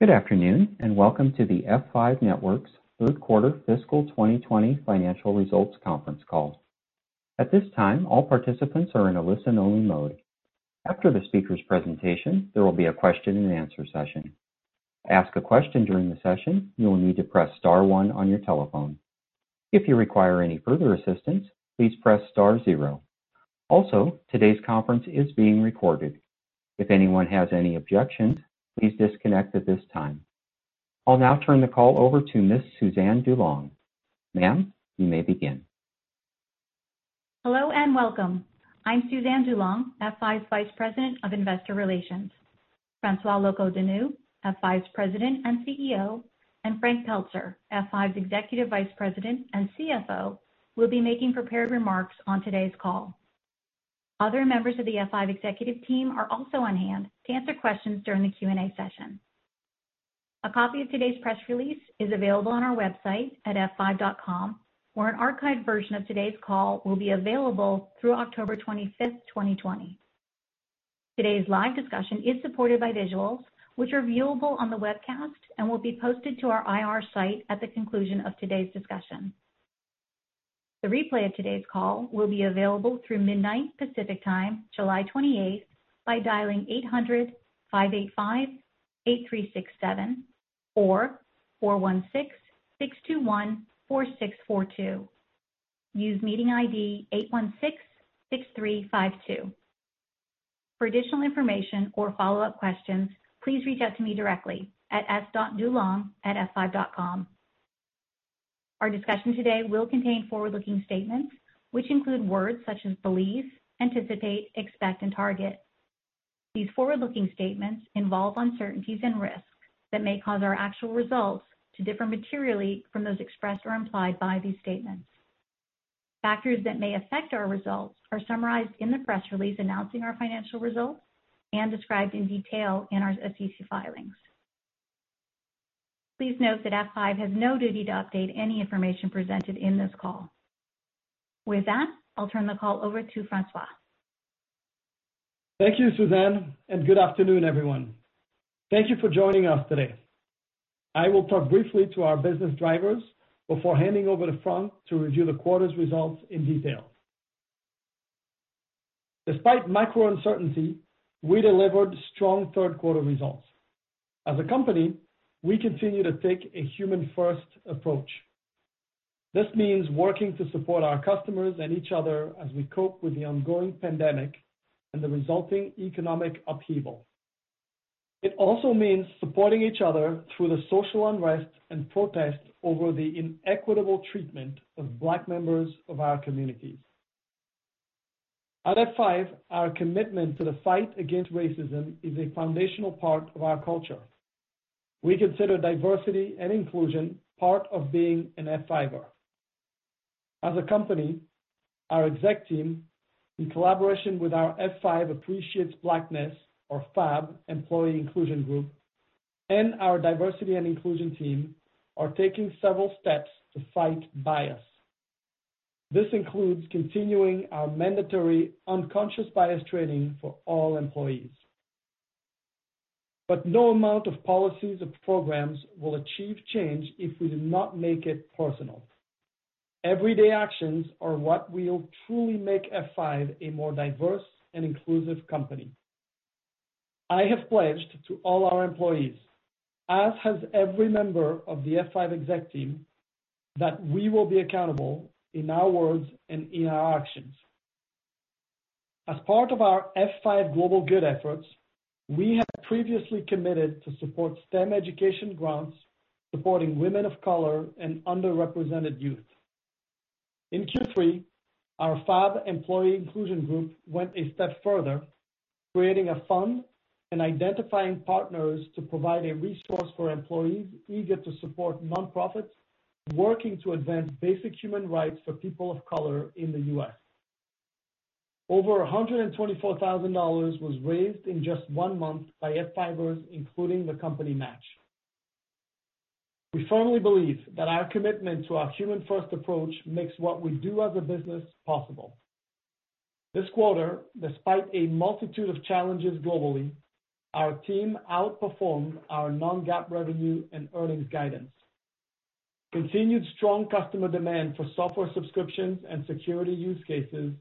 Good afternoon, and welcome to the F5 Networks third quarter fiscal 2020 financial results conference call. At this time, all participants are in a listen-only mode. After the speakers' presentation, there will be a question-and-answer session. To ask a question during the session, you will need to press star one on your telephone. If you require any further assistance, please press star zero. Also, today's conference is being recorded. If anyone has any objections, please disconnect at this time. I'll now turn the call over to Miss Suzanne DuLong. Ma'am, you may begin. Hello, and welcome. I'm Suzanne DuLong, F5's Vice President of Investor Relations. François Locoh-Donou, F5's President and CEO, and Frank Pelzer, F5's Executive Vice President and CFO, will be making prepared remarks on today's call. Other members of the F5 executive team are also on hand to answer questions during the Q&A session. A copy of today's press release is available on our website at f5.com, where an archived version of today's call will be available through October 25, 2020. Today's live discussion is supported by visuals which are viewable on the webcast and will be posted to our IR site at the conclusion of today's discussion. The replay of today's call will be available through midnight Pacific Time, July 28, by dialing 800-585-8367 or 416-621-4642. For additional information or follow-up questions, please reach out to me directly at s.dulong@f5.com. Our discussion today will contain forward-looking statements, which include words such as believe, anticipate, expect, and target. These forward-looking statements involve uncertainties and risks that may cause our actual results to differ materially from those expressed or implied by these statements. Factors that may affect our results are summarized in the press release announcing our financial results and described in detail in our SEC filings. Please note that F5 has no duty to update any information presented in this call. With that, I'll turn the call over to François. Thank you, Suzanne, good afternoon, everyone. Thank you for joining us today. I will talk briefly to our business drivers before handing over to Frank to review the quarter's results in detail. Despite macro uncertainty, we delivered strong third quarter results. As a company, we continue to take a human-first approach. This means working to support our customers and each other as we cope with the ongoing pandemic and the resulting economic upheaval. It also means supporting each other through the social unrest and protests over the inequitable treatment of Black members of our communities. At F5, our commitment to the fight against racism is a foundational part of our culture. We consider diversity and inclusion part of being an F5er. As a company, our exec team, in collaboration with our F5 Appreciates Blackness, or FAB employee inclusion group, and our diversity and inclusion team, are taking several steps to fight bias. This includes continuing our mandatory unconscious bias training for all employees. No amount of policies or programs will achieve change if we do not make it personal. Everyday actions are what will truly make F5 a more diverse and inclusive company. I have pledged to all our employees, as has every member of the F5 exec team, that we will be accountable in our words and in our actions. As part of our F5 Global Good efforts, we have previously committed to support STEM education grants supporting women of color and underrepresented youth. In Q3, our FAB employee inclusion group went a step further, creating a fund and identifying partners to provide a resource for employees eager to support nonprofits working to advance basic human rights for people of color in the U.S. Over $124,000 was raised in just one month by F5ers, including the company match. We firmly believe that our commitment to our human-first approach makes what we do as a business possible. This quarter, despite a multitude of challenges globally, our team outperformed our non-GAAP revenue and earnings guidance. Continued strong customer demand for software subscriptions and security use cases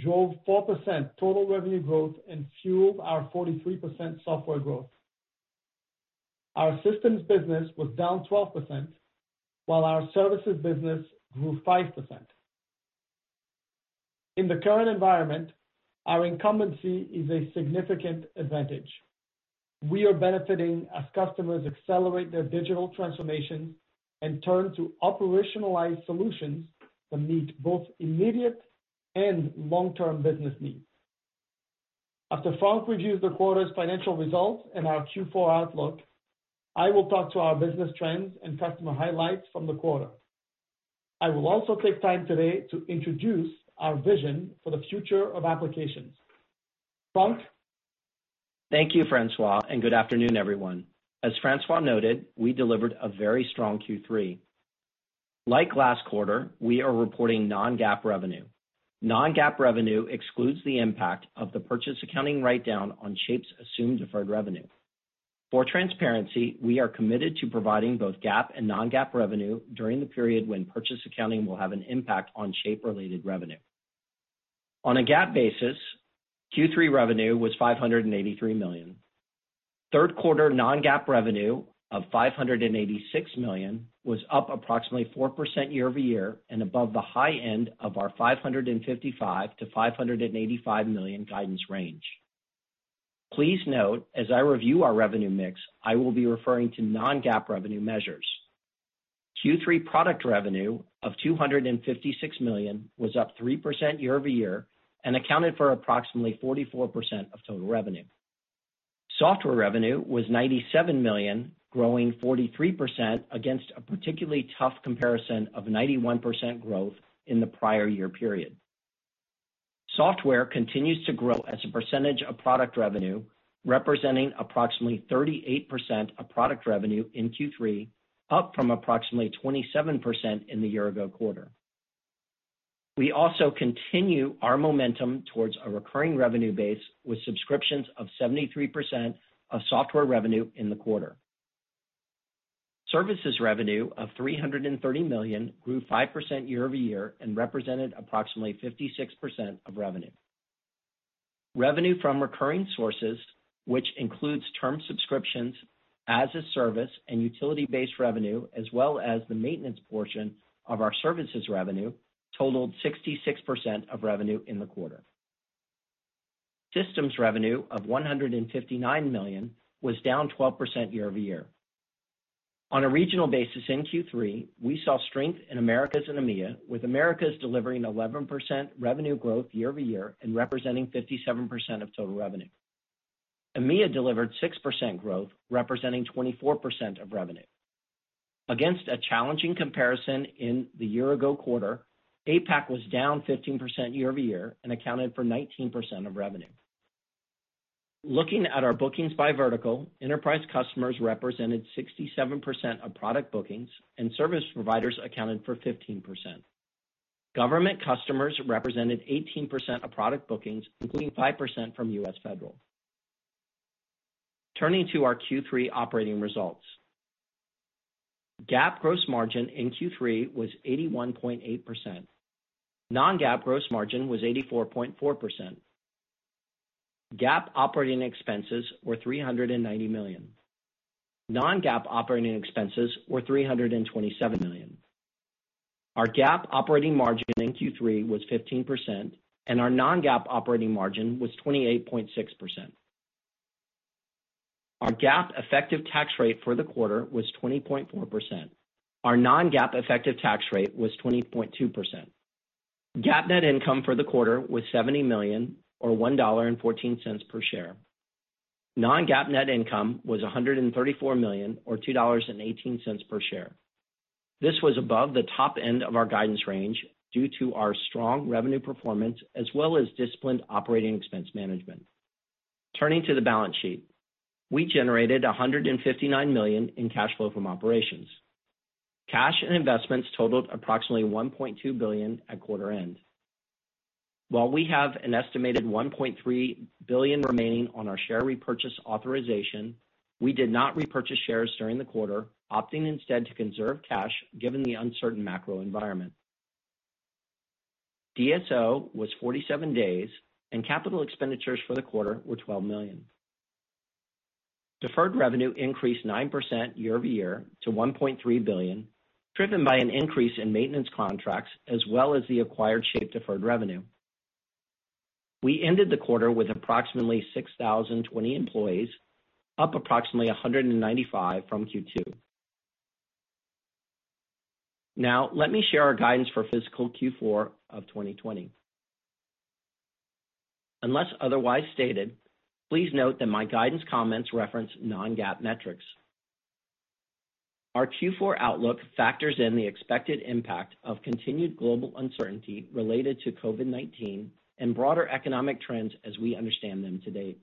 drove 4% total revenue growth and fueled our 43% software growth. Our systems business was down 12%, while our services business grew 5%. In the current environment, our incumbency is a significant advantage. We are benefiting as customers accelerate their digital transformation and turn to operationalized solutions that meet both immediate and long-term business needs. After Frank reviews the quarter's financial results and our Q4 outlook, I will talk to our business trends and customer highlights from the quarter. I will also take time today to introduce our vision for the future of applications. Frank? Thank you, François. Good afternoon, everyone. As François noted, we delivered a very strong Q3. Like last quarter, we are reporting non-GAAP revenue. Non-GAAP revenue excludes the impact of the purchase accounting write-down on Shape's assumed deferred revenue. For transparency, we are committed to providing both GAAP and non-GAAP revenue during the period when purchase accounting will have an impact on Shape-related revenue. On a GAAP basis, Q3 revenue was $583 million. Third quarter non-GAAP revenue of $586 million was up approximately 4% year-over-year and above the high end of our $555 million-$585 million guidance range. Please note, as I review our revenue mix, I will be referring to non-GAAP revenue measures. Q3 product revenue of $256 million was up 3% year-over-year and accounted for approximately 44% of total revenue. Software revenue was $97 million, growing 43% against a particularly tough comparison of 91% growth in the prior year period. Software continues to grow as a percentage of product revenue, representing approximately 38% of product revenue in Q3, up from approximately 27% in the year ago quarter. We also continue our momentum towards a recurring revenue base with subscriptions of 73% of software revenue in the quarter. Services revenue of $330 million grew 5% year-over-year and represented approximately 56% of revenue. Revenue from recurring sources, which includes term subscriptions as a service and utility-based revenue, as well as the maintenance portion of our services revenue totaled 66% of revenue in the quarter. Systems revenue of $159 million was down 12% year-over-year. On a regional basis in Q3, we saw strength in Americas and EMEA, with Americas delivering 11% revenue growth year-over-year and representing 57% of total revenue. EMEA delivered 6% growth, representing 24% of revenue. Against a challenging comparison in the year ago quarter, APAC was down 15% year-over-year and accounted for 19% of revenue. Looking at our bookings by vertical, enterprise customers represented 67% of product bookings and service providers accounted for 15%. Government customers represented 18% of product bookings, including 5% from U.S. federal. Turning to our Q3 operating results. GAAP gross margin in Q3 was 81.8%. non-GAAP gross margin was 84.4%. GAAP operating expenses were $390 million. non-GAAP operating expenses were $327 million. Our GAAP operating margin in Q3 was 15%, and our non-GAAP operating margin was 28.6%. Our GAAP effective tax rate for the quarter was 20.4%. Our non-GAAP effective tax rate was 20.2%. GAAP net income for the quarter was $70 million or $1.14 per share. Non-GAAP net income was $134 million or $2.18 per share. This was above the top end of our guidance range due to our strong revenue performance as well as disciplined operating expense management. Turning to the balance sheet. We generated $159 million in cash flow from operations. Cash and investments totaled approximately $1.2 billion at quarter end. While we have an estimated $1.3 billion remaining on our share repurchase authorization, we did not repurchase shares during the quarter, opting instead to conserve cash, given the uncertain macro environment. DSO was 47 days and capital expenditures for the quarter were $12 million. Deferred revenue increased 9% year-over-year to $1.3 billion, driven by an increase in maintenance contracts as well as the acquired Shape deferred revenue. We ended the quarter with approximately 6,020 employees, up approximately 195 from Q2. Now, let me share our guidance for fiscal Q4 of 2020. Unless otherwise stated, please note that my guidance comments reference non-GAAP metrics. Our Q4 outlook factors in the expected impact of continued global uncertainty related to COVID-19 and broader economic trends as we understand them to date.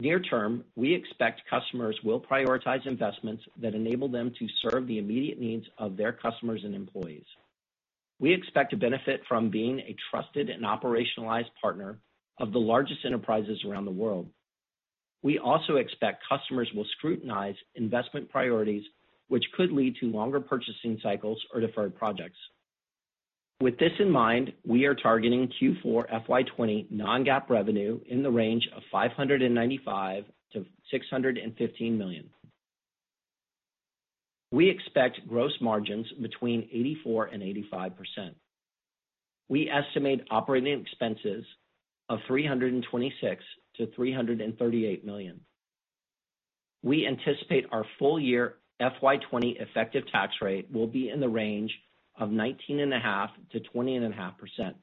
Near term, we expect customers will prioritize investments that enable them to serve the immediate needs of their customers and employees. We expect to benefit from being a trusted and operationalized partner of the largest enterprises around the world. We also expect customers will scrutinize investment priorities which could lead to longer purchasing cycles or deferred projects. With this in mind, we are targeting Q4 FY 2020 non-GAAP revenue in the range of $595 million-$615 million. We expect gross margins between 84%-85%. We estimate operating expenses of $326 million-$338 million. We anticipate our full year FY 2020 effective tax rate will be in the range of 19.5%-20.5%.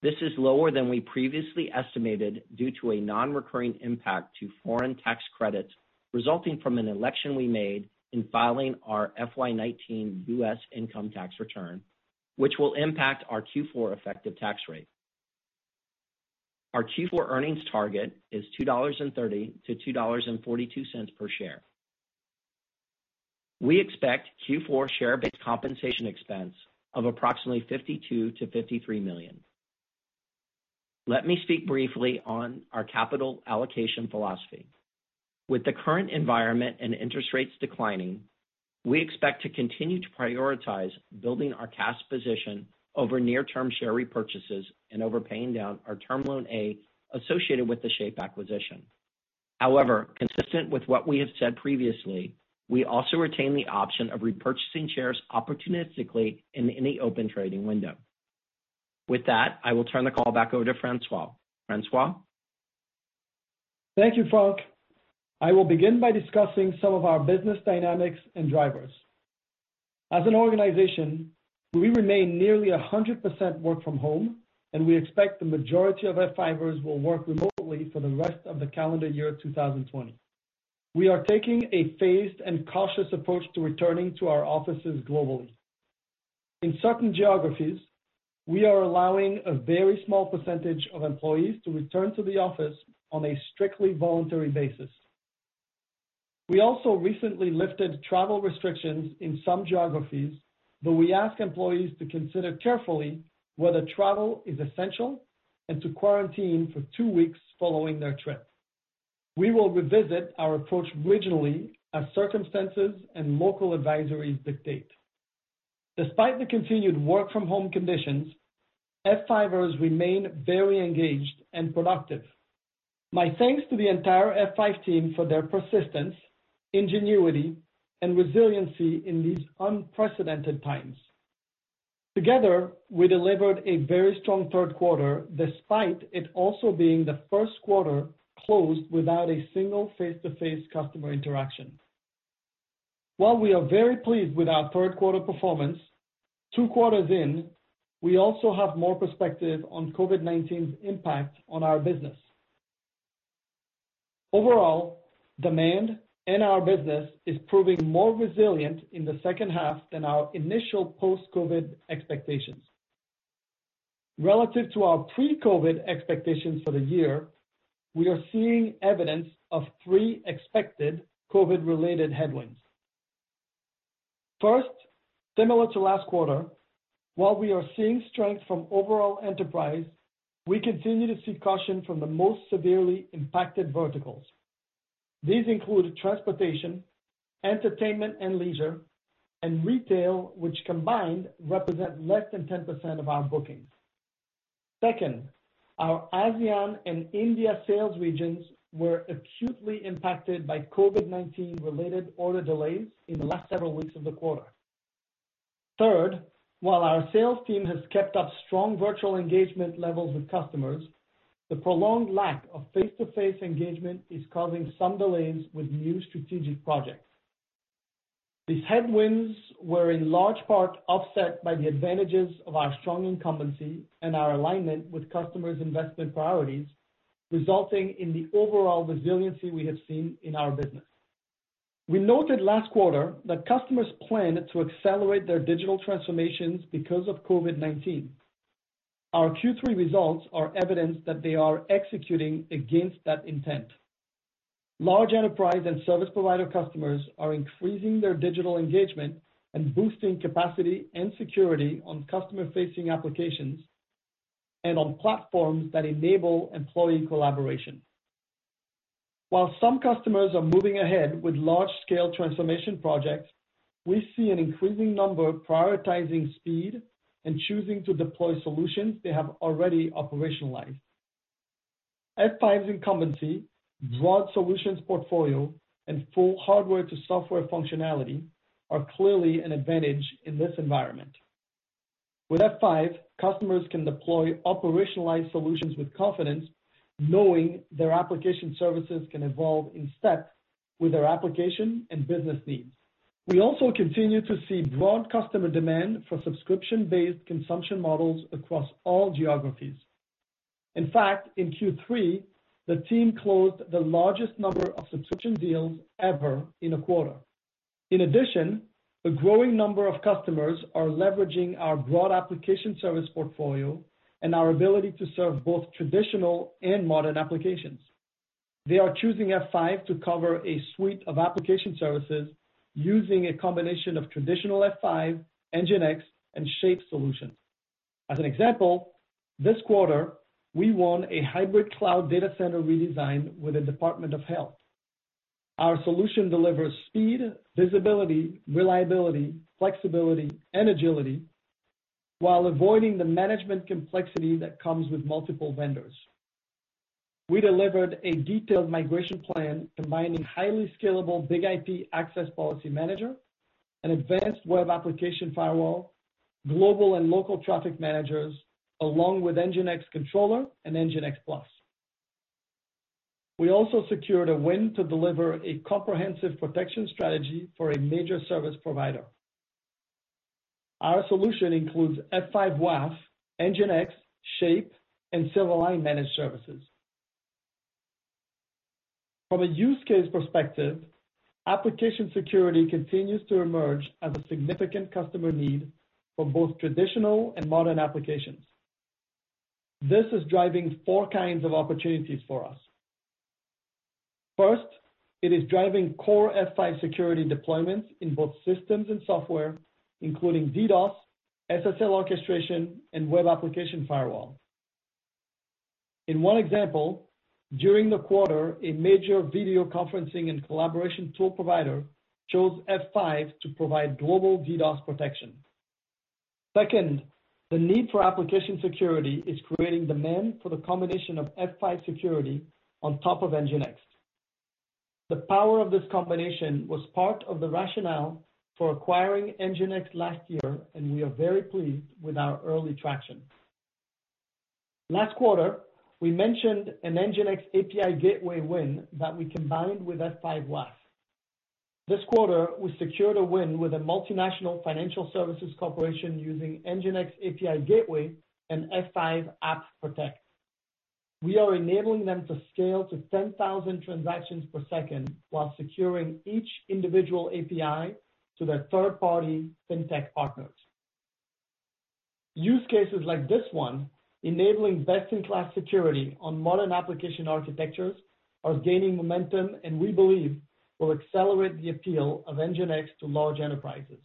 This is lower than we previously estimated due to a non-recurring impact to foreign tax credits resulting from an election we made in filing our FY 2019 U.S. income tax return, which will impact our Q4 effective tax rate. Our Q4 earnings target is $2.30-$2.42 per share. We expect Q4 share-based compensation expense of approximately $52 million-$53 million. Let me speak briefly on our capital allocation philosophy. With the current environment and interest rates declining, we expect to continue to prioritize building our cash position over near-term share repurchases and over paying down our Term Loan A associated with the Shape acquisition. Consistent with what we have said previously, we also retain the option of repurchasing shares opportunistically in any open trading window. With that, I will turn the call back over to François. François? Thank you, Frank. I will begin by discussing some of our business dynamics and drivers. As an organization, we remain nearly 100% work from home. We expect the majority of F5ers will work remotely for the rest of the calendar year 2020. We are taking a phased and cautious approach to returning to our offices globally. In certain geographies, we are allowing a very small percentage of employees to return to the office on a strictly voluntary basis. We also recently lifted travel restrictions in some geographies. We ask employees to consider carefully whether travel is essential and to quarantine for two weeks following their trip. We will revisit our approach regionally as circumstances and local advisories dictate. Despite the continued work from home conditions, F5ers remain very engaged and productive. My thanks to the entire F5 team for their persistence, ingenuity, and resiliency in these unprecedented times. Together, we delivered a very strong third quarter, despite it also being the first quarter closed without a single face-to-face customer interaction. While we are very pleased with our third quarter performance, two quarters in, we also have more perspective on COVID-19's impact on our business. Overall, demand in our business is proving more resilient in the second half than our initial post-COVID expectations. Relative to our pre-COVID expectations for the year, we are seeing evidence of three expected COVID-related headwinds. First, similar to last quarter, while we are seeing strength from overall enterprise, we continue to see caution from the most severely impacted verticals. These include transportation, entertainment and leisure, and retail, which combined represent less than 10% of our bookings. Our ASEAN and India sales regions were acutely impacted by COVID-19 related order delays in the last several weeks of the quarter. While our sales team has kept up strong virtual engagement levels with customers, the prolonged lack of face-to-face engagement is causing some delays with new strategic projects. These headwinds were in large part offset by the advantages of our strong incumbency and our alignment with customers' investment priorities, resulting in the overall resiliency we have seen in our business. We noted last quarter that customers plan to accelerate their digital transformations because of COVID-19. Our Q3 results are evidence that they are executing against that intent. Large enterprise and service provider customers are increasing their digital engagement and boosting capacity and security on customer-facing applications and on platforms that enable employee collaboration. While some customers are moving ahead with large-scale transformation projects, we see an increasing number prioritizing speed and choosing to deploy solutions they have already operationalized. F5's incumbency, broad solutions portfolio, and full hardware to software functionality are clearly an advantage in this environment. With F5, customers can deploy operationalized solutions with confidence, knowing their application services can evolve in step with their application and business needs. We also continue to see broad customer demand for subscription-based consumption models across all geographies. In fact, in Q3, the team closed the largest number of subscription deals ever in a quarter. In addition, a growing number of customers are leveraging our broad application service portfolio and our ability to serve both traditional and modern applications. They are choosing F5 to cover a suite of application services using a combination of traditional F5, NGINX, and Shape solutions. As an example, this quarter, we won a hybrid cloud data center redesign with the Department of Health. Our solution delivers speed, visibility, reliability, flexibility, and agility while avoiding the management complexity that comes with multiple vendors. We delivered a detailed migration plan combining highly scalable BIG-IP Access Policy Manager, an Advanced Web Application Firewall, Global and Local Traffic Managers, along with NGINX Controller and NGINX Plus. We also secured a win to deliver a comprehensive protection strategy for a major service provider. Our solution includes F5 WAF, NGINX, Shape, and Silverline managed services. From a use case perspective, application security continues to emerge as a significant customer need for both traditional and modern applications. This is driving four kinds of opportunities for us. First, it is driving core F5 security deployments in both systems and software, including DDoS, SSL orchestration, and web application firewall. In one example, during the quarter, a major video conferencing and collaboration tool provider chose F5 to provide global DDoS protection. Second, the need for application security is creating demand for the combination of F5 security on top of NGINX. The power of this combination was part of the rationale for acquiring NGINX last year, and we are very pleased with our early traction. Last quarter, we mentioned an NGINX API Gateway win that we combined with F5 WAF. This quarter, we secured a win with a multinational financial services corporation using NGINX API Gateway and F5 App Protect. We are enabling them to scale to 10,000 transactions per second while securing each individual API to their third-party fintech partners. Use cases like this one, enabling best-in-class security on modern application architectures, are gaining momentum and we believe will accelerate the appeal of NGINX to large enterprises.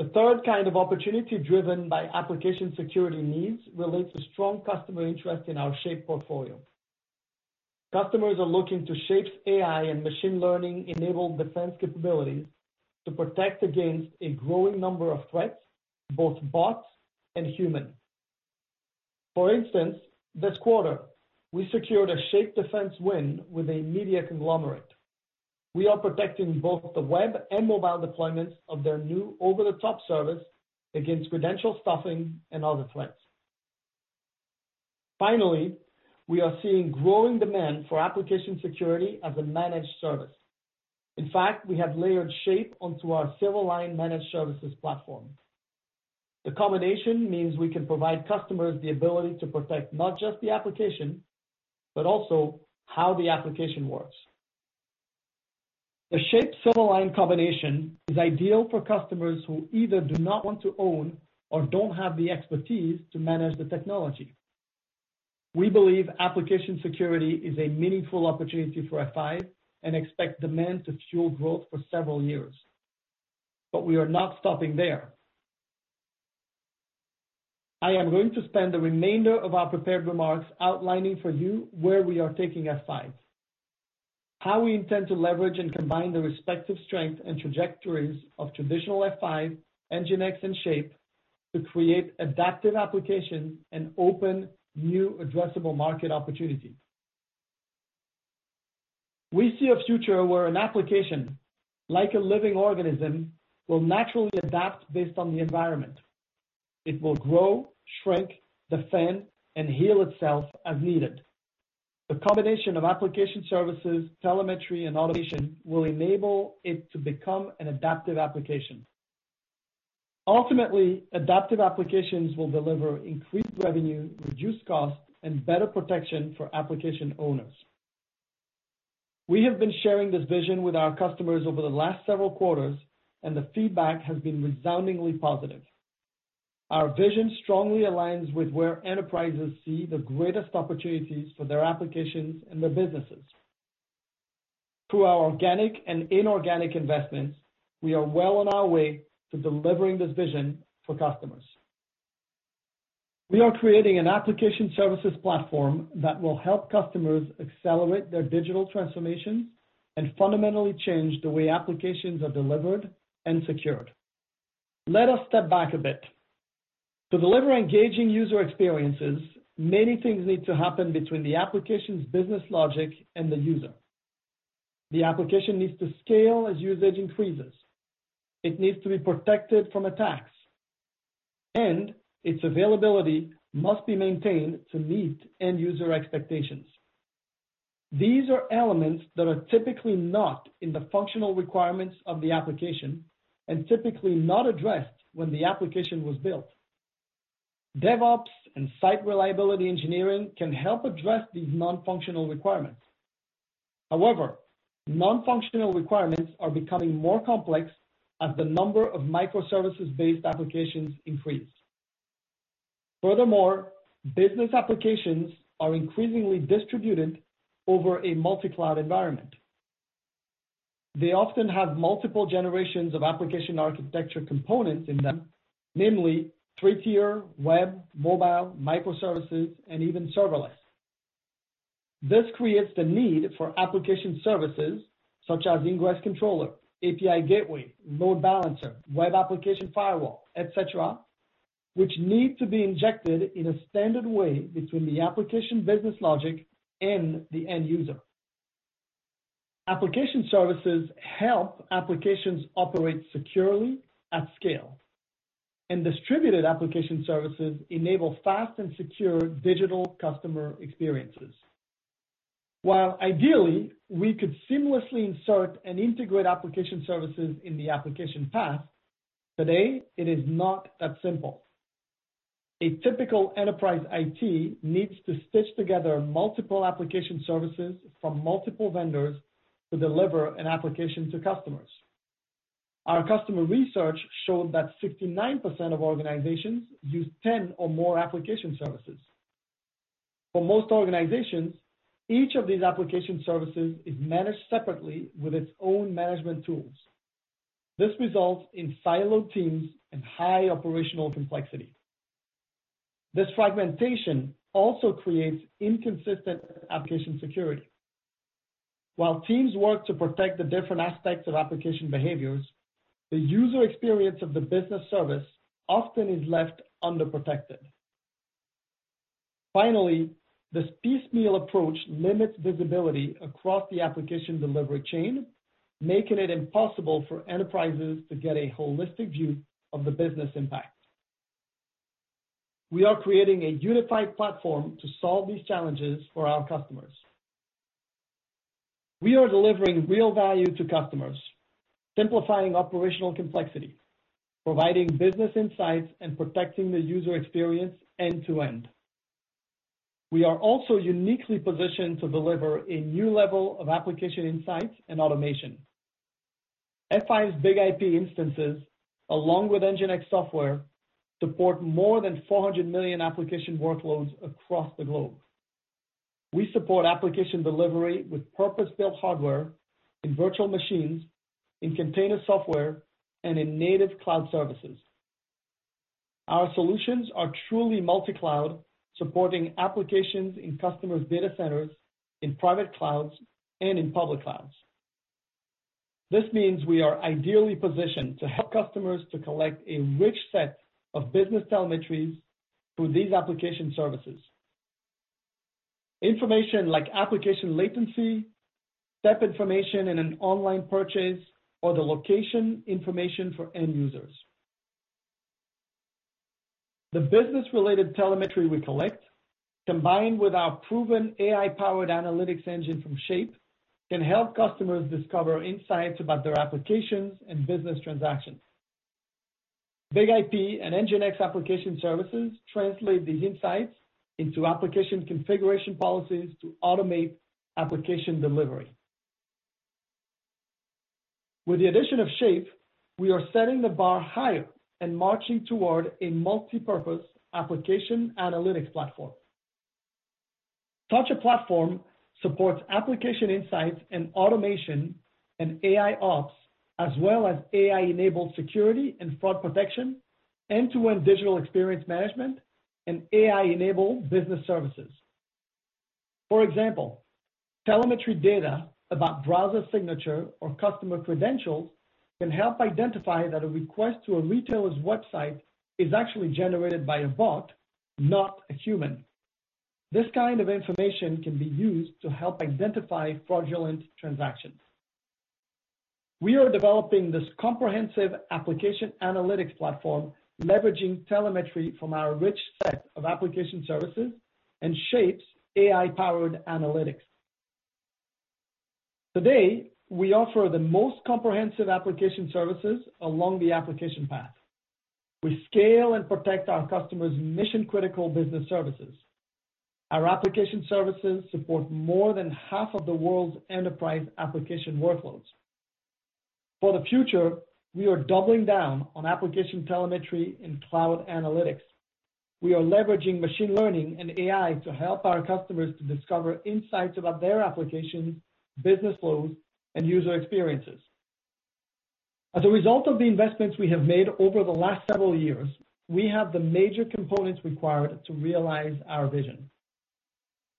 The third kind of opportunity driven by application security needs relates to strong customer interest in our Shape portfolio. Customers are looking to Shape's AI and machine learning-enabled defense capabilities to protect against a growing number of threats, both bots and human. For instance, this quarter, we secured a Shape defense win with a media conglomerate. We are protecting both the web and mobile deployments of their new over-the-top service against credential stuffing and other threats. Finally, we are seeing growing demand for application security as a managed service. In fact, we have layered Shape onto our Silverline Managed Services platform. The combination means we can provide customers the ability to protect not just the application, but also how the application works. The Shape Silverline combination is ideal for customers who either do not want to own or don't have the expertise to manage the technology. We believe application security is a meaningful opportunity for F5 and expect demand to fuel growth for several years. We are not stopping there. I am going to spend the remainder of our prepared remarks outlining for you where we are taking F5, how we intend to leverage and combine the respective strength and trajectories of traditional F5, NGINX, and Shape to create adaptive application and open new addressable market opportunities. We see a future where an application, like a living organism, will naturally adapt based on the environment. It will grow, shrink, defend, and heal itself as needed. The combination of application services, telemetry, and automation will enable it to become an adaptive application. Ultimately, adaptive applications will deliver increased revenue, reduced costs, and better protection for application owners. We have been sharing this vision with our customers over the last several quarters, and the feedback has been resoundingly positive. Our vision strongly aligns with where enterprises see the greatest opportunities for their applications and their businesses. Through our organic and inorganic investments, we are well on our way to delivering this vision for customers. We are creating an application services platform that will help customers accelerate their digital transformations and fundamentally change the way applications are delivered and secured. Let us step back a bit. To deliver engaging user experiences, many things need to happen between the application's business logic and the user. The application needs to scale as usage increases. It needs to be protected from attacks. Its availability must be maintained to meet end user expectations. These are elements that are typically not in the functional requirements of the application and typically not addressed when the application was built. DevOps and site reliability engineering can help address these non-functional requirements. However, non-functional requirements are becoming more complex as the number of microservices-based applications increase. Furthermore, business applications are increasingly distributed over a multi-cloud environment. They often have multiple generations of application architecture components in them, namely 3-tier, web, mobile, microservices, and even serverless. This creates the need for application services such as ingress controller, API gateway, load balancer, web application firewall, et cetera, which need to be injected in a standard way between the application business logic and the end user. Application services help applications operate securely at scale, and distributed application services enable fast and secure digital customer experiences. While ideally, we could seamlessly insert and integrate application services in the application path, today it is not that simple. A typical enterprise IT needs to stitch together multiple application services from multiple vendors to deliver an application to customers. Our customer research showed that 69% of organizations use 10 or more application services. For most organizations, each of these application services is managed separately with its own management tools. This results in siloed teams and high operational complexity. This fragmentation also creates inconsistent application security. While teams work to protect the different aspects of application behaviors, the user experience of the business service often is left underprotected. This piecemeal approach limits visibility across the application delivery chain, making it impossible for enterprises to get a holistic view of the business impact. We are creating a unified platform to solve these challenges for our customers. We are delivering real value to customers, simplifying operational complexity, providing business insights, and protecting the user experience end-to-end. We are also uniquely positioned to deliver a new level of application insights and automation. F5's BIG-IP instances along with NGINX software support more than 400 million application workloads across the globe. We support application delivery with purpose-built hardware in virtual machines, in container software, and in native cloud services. Our solutions are truly multi-cloud, supporting applications in customers' data centers, in private clouds, and in public clouds. This means we are ideally positioned to help customers to collect a rich set of business telemetries through these application services. Information like application latency, step information in an online purchase, or the location information for end users. The business-related telemetry we collect, combined with our proven AI-powered analytics engine from Shape, can help customers discover insights about their applications and business transactions. BIG-IP and NGINX application services translate these insights into application configuration policies to automate application delivery. With the addition of Shape, we are setting the bar higher and marching toward a multipurpose application analytics platform. Such a platform supports application insights and automation and AIOps, as well as AI-enabled security and fraud protection, end-to-end digital experience management, and AI-enabled business services. For example, telemetry data about browser signature or customer credentials can help identify that a request to a retailer's website is actually generated by a bot, not a human. This kind of information can be used to help identify fraudulent transactions. We are developing this comprehensive application analytics platform leveraging telemetry from our rich set of application services and Shape's AI-powered analytics. Today, we offer the most comprehensive application services along the application path. We scale and protect our customers' mission-critical business services. Our application services support more than half of the world's enterprise application workloads. For the future, we are doubling down on application telemetry and cloud analytics. We are leveraging machine learning and AI to help our customers to discover insights about their applications, business flows, and user experiences. As a result of the investments we have made over the last several years, we have the major components required to realize our vision.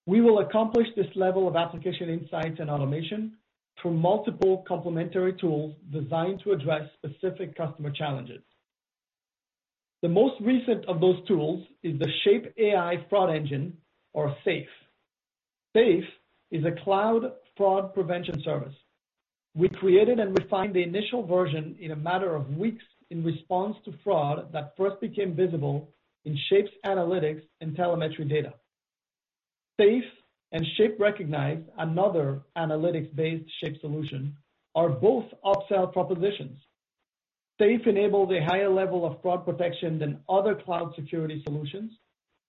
We will accomplish this level of application insights and automation through multiple complementary tools designed to address specific customer challenges. The most recent of those tools is the Shape AI Fraud Engine, or SAFE. SAFE is a cloud fraud prevention service. We created and refined the initial version in a matter of weeks in response to fraud that first became visible in Shape's analytics and telemetry data. SAFE and Shape Recognize, another analytics-based Shape solution, are both upsell propositions. SAFE enables a higher level of fraud protection than other cloud security solutions,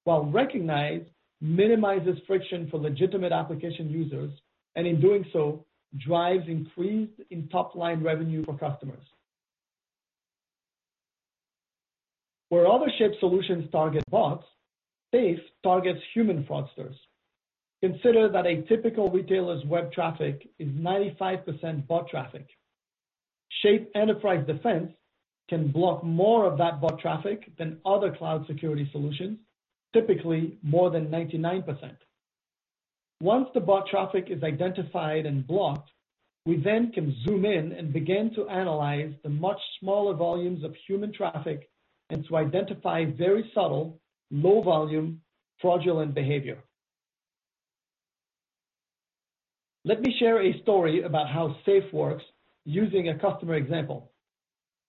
while Recognize minimizes friction for legitimate application users, and in doing so, drives increase in top-line revenue for customers. Where other Shape solutions target bots, SAFE targets human fraudsters. Consider that a typical retailer's web traffic is 95% bot traffic. Shape Enterprise Defense can block more of that bot traffic than other cloud security solutions, typically more than 99%. Once the bot traffic is identified and blocked, we then can zoom in and begin to analyze the much smaller volumes of human traffic and to identify very subtle, low volume fraudulent behavior. Let me share a story about how SAFE works using a customer example.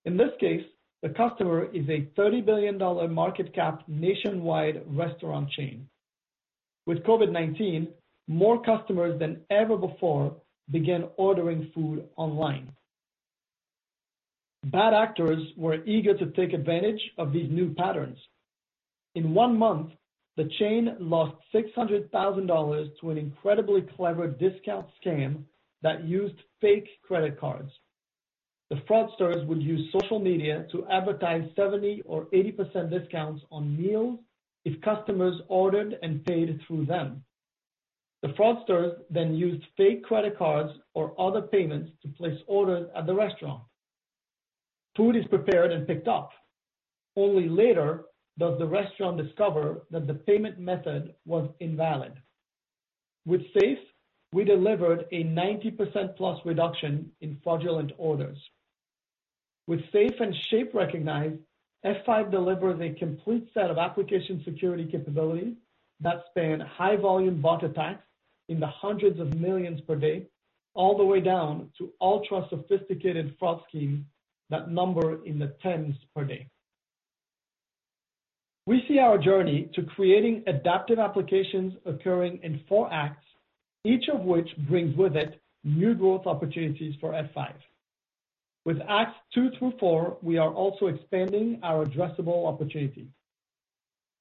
In this case, the customer is a $30 billion market cap nationwide restaurant chain. With COVID-19, more customers than ever before began ordering food online. Bad actors were eager to take advantage of these new patterns. In one month, the chain lost $600,000 to an incredibly clever discount scam that used fake credit cards. The fraudsters would use social media to advertise 70% or 80% discounts on meals if customers ordered and paid through them. The fraudsters then used fake credit cards or other payments to place orders at the restaurant. Food is prepared and picked up. Only later does the restaurant discover that the payment method was invalid. With SAFE, we delivered a 90%+ reduction in fraudulent orders. With SAFE and Shape Recognize, F5 delivers a complete set of application security capabilities that span high-volume bot attacks in the hundreds of millions per day, all the way down to ultra-sophisticated fraud schemes that number in the tens per day. We see our journey to creating adaptive applications occurring in four Acts, each of which brings with it new growth opportunities for F5. With Acts 2 through four, we are also expanding our addressable opportunities.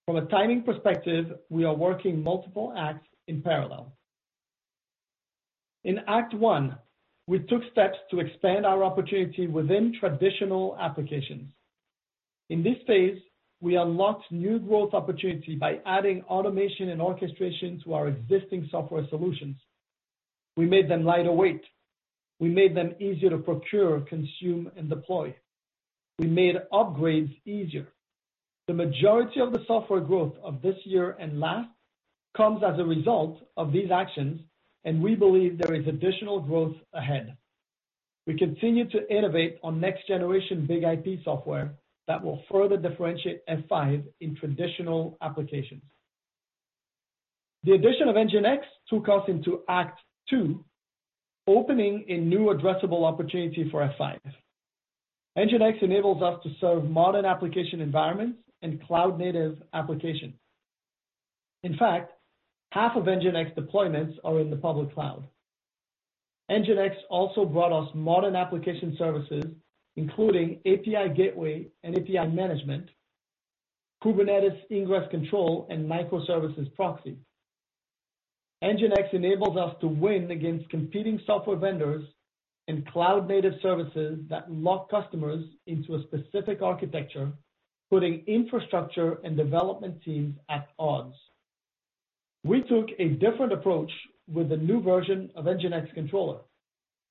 From a timing perspective, we are working multiple acts in parallel. In Act 1, we took steps to expand our opportunity within traditional applications. In this phase, we unlocked new growth opportunity by adding automation and orchestration to our existing software solutions. We made them lighter weight. We made them easier to procure, consume, and deploy. We made upgrades easier. The majority of the software growth of this year and last comes as a result of these actions, and we believe there is additional growth ahead. We continue to innovate on next-generation BIG-IP software that will further differentiate F5 in traditional applications. The addition of NGINX took us into Act 2, opening a new addressable opportunity for F5. NGINX enables us to serve modern application environments and cloud-native applications. In fact, half of NGINX deployments are in the public cloud. NGINX also brought us modern application services, including API gateway and API management, Kubernetes ingress controller, and microservices proxy. NGINX enables us to win against competing software vendors and cloud-native services that lock customers into a specific architecture, putting infrastructure and development teams at odds. We took a different approach with the new version of NGINX Controller,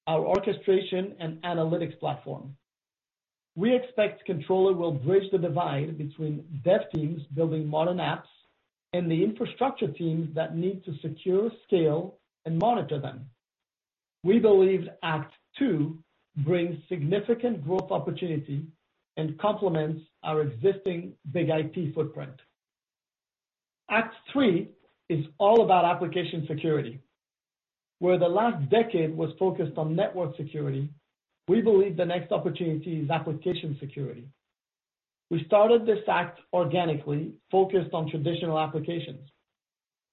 our orchestration and analytics platform. We expect controller will bridge the divide between dev teams building modern apps and the infrastructure teams that need to secure, scale, and monitor them. We believe Act 2 brings significant growth opportunity and complements our existing BIG-IP footprint. Act 3 is all about application security, where the last decade was focused on network security. We believe the next opportunity is application security. We started this act organically focused on traditional applications.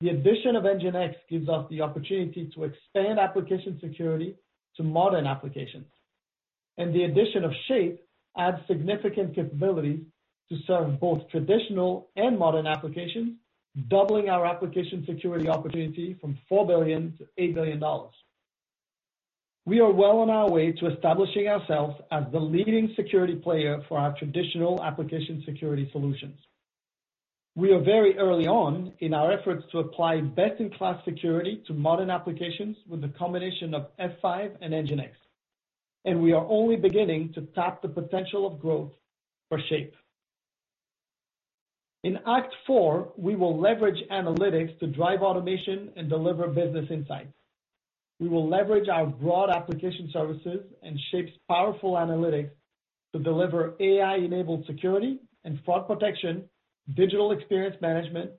The addition of NGINX gives us the opportunity to expand application security to modern applications, and the addition of Shape adds significant capabilities to serve both traditional and modern applications, doubling our application security opportunity from $4 billion to $8 billion. We are well on our way to establishing ourselves as the leading security player for our traditional application security solutions. We are very early on in our efforts to apply best-in-class security to modern applications with the combination of F5 and NGINX, and we are only beginning to tap the potential of growth for Shape. In Act 4, we will leverage analytics to drive automation and deliver business insights. We will leverage our broad application services and Shape's powerful analytics to deliver AI-enabled security and fraud protection, digital experience management,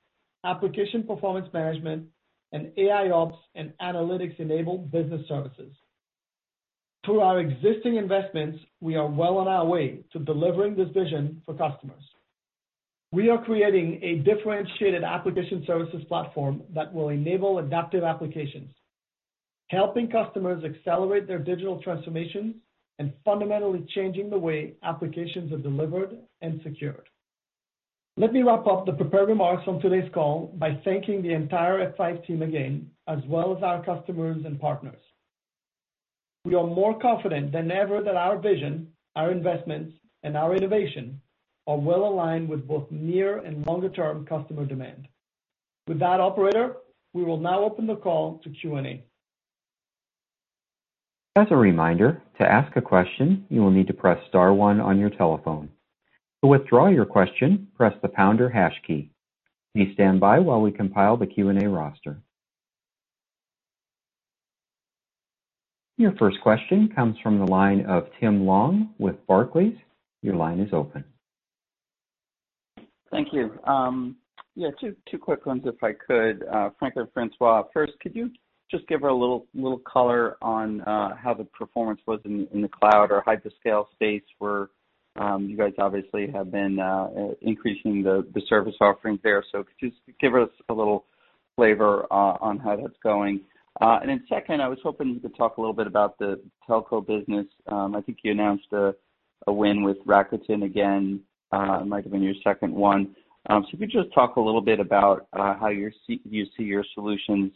application performance management, and AIOps and analytics-enabled business services. Through our existing investments, we are well on our way to delivering this vision for customers. We are creating a differentiated application services platform that will enable adaptive applications, helping customers accelerate their digital transformations and fundamentally changing the way applications are delivered and secured. Let me wrap up the prepared remarks on today's call by thanking the entire F5 team again, as well as our customers and partners. We are more confident than ever that our vision, our investments, and our innovation are well aligned with both near and longer-term customer demand. With that, operator, we will now open the call to Q&A. Your first question comes from the line of Tim Long with Barclays. Your line is open. Thank you. Yeah, two quick ones if I could. Frank or François, first, could you just give a little color on how the performance was in the cloud or hyperscale space where you guys obviously have been increasing the service offering there. Could you just give us a little flavor on how that's going. Second, I was hoping you could talk a little bit about the telco business. I think you announced a win with Rakuten again, might have been your second one. If you could just talk a little bit about how you see your solutions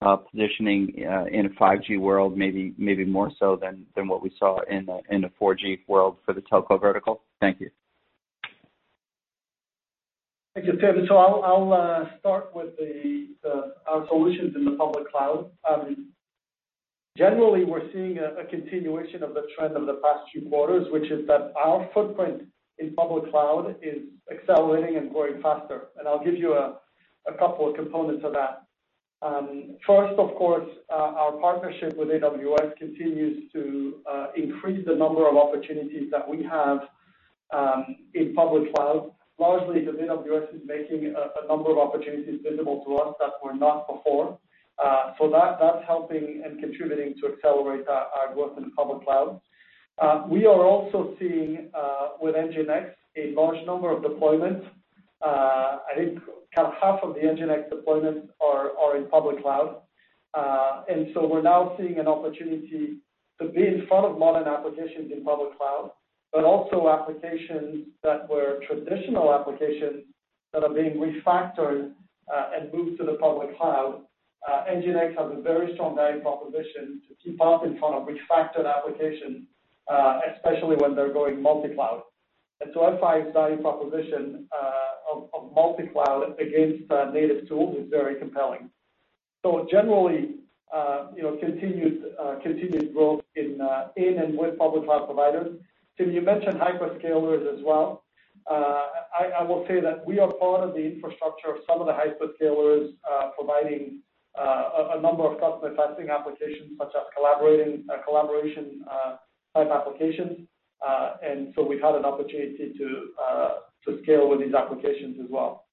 positioning in a 5G world, maybe more so than what we saw in a 4G world for the telco vertical. Thank you. Thank you, Tim. I'll start with the our solutions in the public cloud. Generally, we're seeing a continuation of the trend of the past few quarters, which is that our footprint in public cloud is accelerating and growing faster. I'll give you a couple of components of that. First, of course, our partnership with AWS continues to increase the number of opportunities that we have in public cloud. Largely because AWS is making a number of opportunities visible to us that were not before. That's helping and contributing to accelerate our growth in public cloud. We are also seeing with NGINX, a large number of deployments. I think kind of half of the NGINX deployments are in public cloud. We're now seeing an opportunity to be in front of modern applications in public cloud, but also applications that were traditional applications that are being refactored and moved to the public cloud. NGINX has a very strong value proposition to keep up in front of refactored applications, especially when they're going multi-cloud. F5's value proposition of multi-cloud against native tools is very compelling. Generally, you know, continued growth in and with public cloud providers. Tim, you mentioned hyperscalers as well. I will say that we are part of the infrastructure of some of the hyperscalers, providing a number of customer-facing applications such as collaborating, collaboration type applications. We've had an opportunity to scale with these applications as well.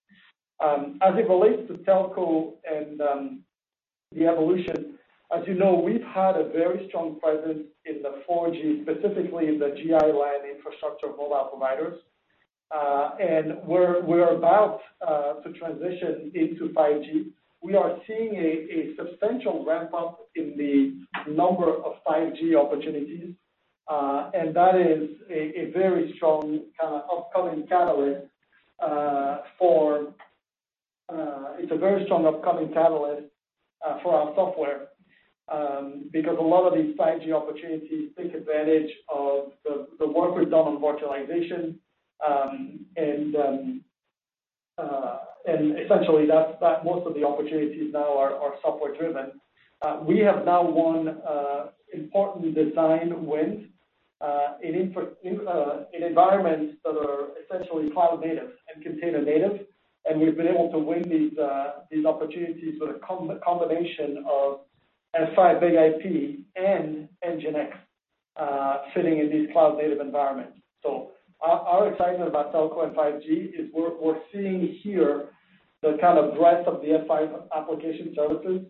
As it relates to telco and the evolution, as you know, we've had a very strong presence in the 4G, specifically in the Gi LAN infrastructure mobile providers. We're about to transition into 5G. We are seeing a substantial ramp-up in the number of 5G opportunities. It's a very strong upcoming catalyst for our software, because a lot of these 5G opportunities take advantage of the work we've done on virtualization. Essentially, that most of the opportunities now are software driven. We have now won important design wins in environments that are essentially cloud native and container native, and we've been able to win these opportunities with a combination of F5 BIG-IP and NGINX sitting in these cloud native environments. Our excitement about telco and 5G is we're seeing here the kind of breadth of the F5 application services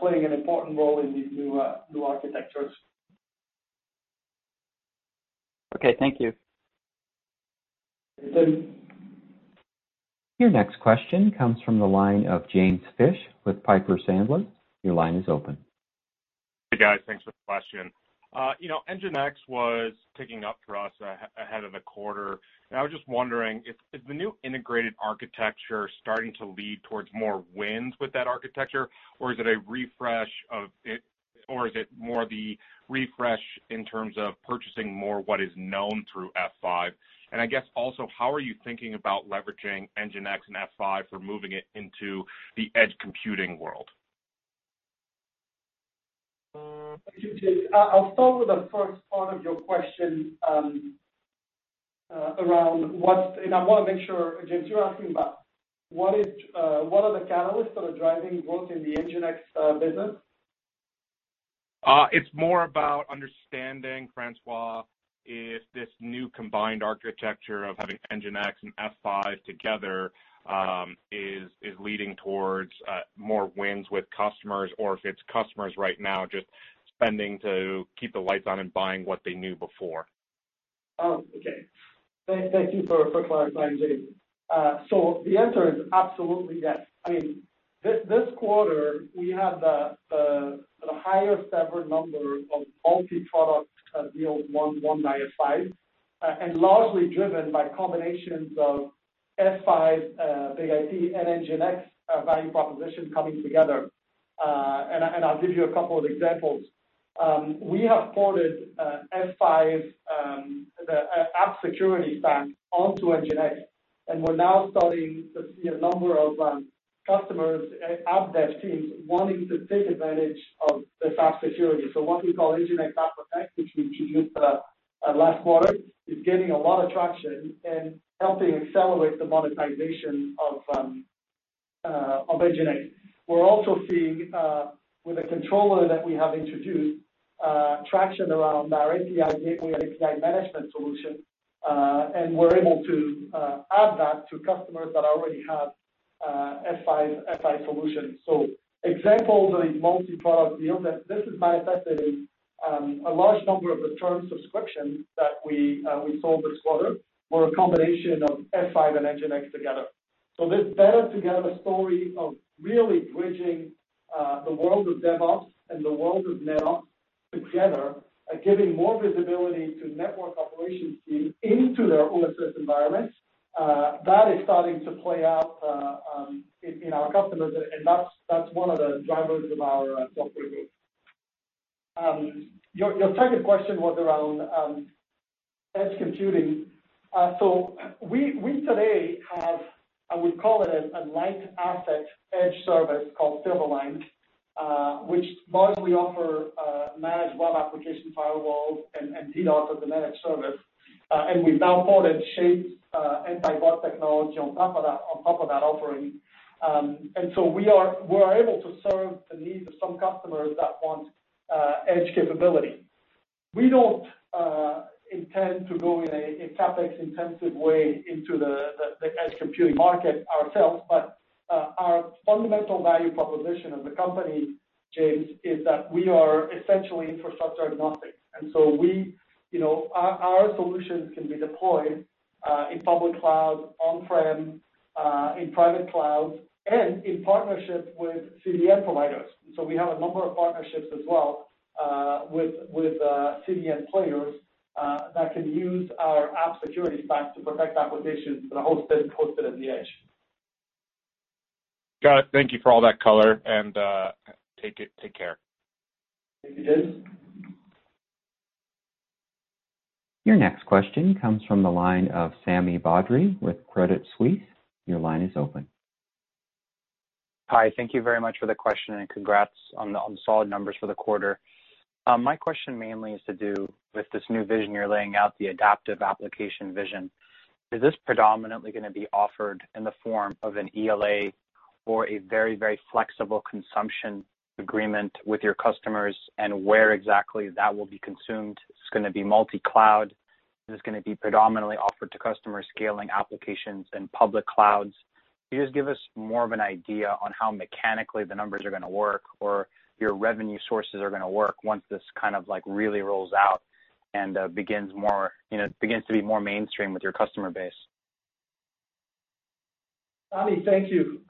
playing an important role in these new architectures. Okay. Thank you. Thank you. Your next question comes from the line of James Fish with Piper Sandler. Your line is open. Hey, guys. Thanks for the question. You know, NGINX was ticking up for us ahead of the quarter, and I was just wondering if the new integrated architecture is starting to lead towards more wins with that architecture, or is it more the refresh in terms of purchasing more what is known through F5? I guess also, how are you thinking about leveraging NGINX and F5 for moving it into the edge computing world? Thank you, James. I'll start with the first part of your question. I want to make sure, James, you're asking about what are the catalysts that are driving growth in the NGINX business? It's more about understanding, François, if this new combined architecture of having NGINX and F5 together is leading towards more wins with customers or if it's customers right now just spending to keep the lights on and buying what they knew before? Okay. Thank you for clarifying, James. The answer is absolutely yes. I mean, this quarter, we had the highest ever number of multi-product deals won by F5, and largely driven by combinations of F5's BIG-IP and NGINX value proposition coming together. I'll give you a couple of examples. We have ported F5's app security stack onto NGINX, and we're now starting to see a number of customers, app dev teams wanting to take advantage of the app security. What we call NGINX App Protect, which we introduced last quarter, is gaining a lot of traction and helping accelerate the monetization of NGINX. We're also seeing with a controller that we have introduced traction around our API gateway and API management solution, and we're able to add that to customers that already have F5 solutions. Examples of a multi-product deal that this is by effect, a large number of the term subscriptions that we sold this quarter were a combination of F5 and NGINX together. This better together story of really bridging the world of DevOps and the world of NetOps together are giving more visibility to network operations teams into their OSS environments. That is starting to play out in our customers, and that's one of the drivers of our software growth. Your second question was around edge computing. We today have, I would call it a light asset edge service called Silverline, which largely offer managed web application firewalls and DDoS as a managed service. We've now added Shape's anti-bot technology on top of that offering. We're able to serve the needs of some customers that want edge capability. We don't intend to go in a CapEx-intensive way into the edge computing market ourselves. Our fundamental value proposition as a company, James, is that we are essentially infrastructure agnostic. We, you know, our solutions can be deployed in public cloud, on-prem, in private clouds, and in partnership with CDN providers. We have a number of partnerships as well, with CDN players, that can use our app security stacks to protect applications that are hosted at the edge. Got it. Thank you for all that color, and, take it. Take care. Thank you, James. Your next question comes from the line of Sami Badri with Credit Suisse. Your line is open. Hi. Thank you very much for the question, congrats on the solid numbers for the quarter. My question mainly is to do with this new vision you're laying out, the adaptive application vision. Is this predominantly going to be offered in the form of an ELA or a very flexible consumption agreement with your customers, and where exactly that will be consumed? Is this going to be multi-cloud? Is this going to be predominantly offered to customers scaling applications in public clouds? Can you just give us more of an idea on how mechanically the numbers are going to work or your revenue sources are going to work once this kind of like really rolls out and begins to be more mainstream with your customer base? Sami, thank you.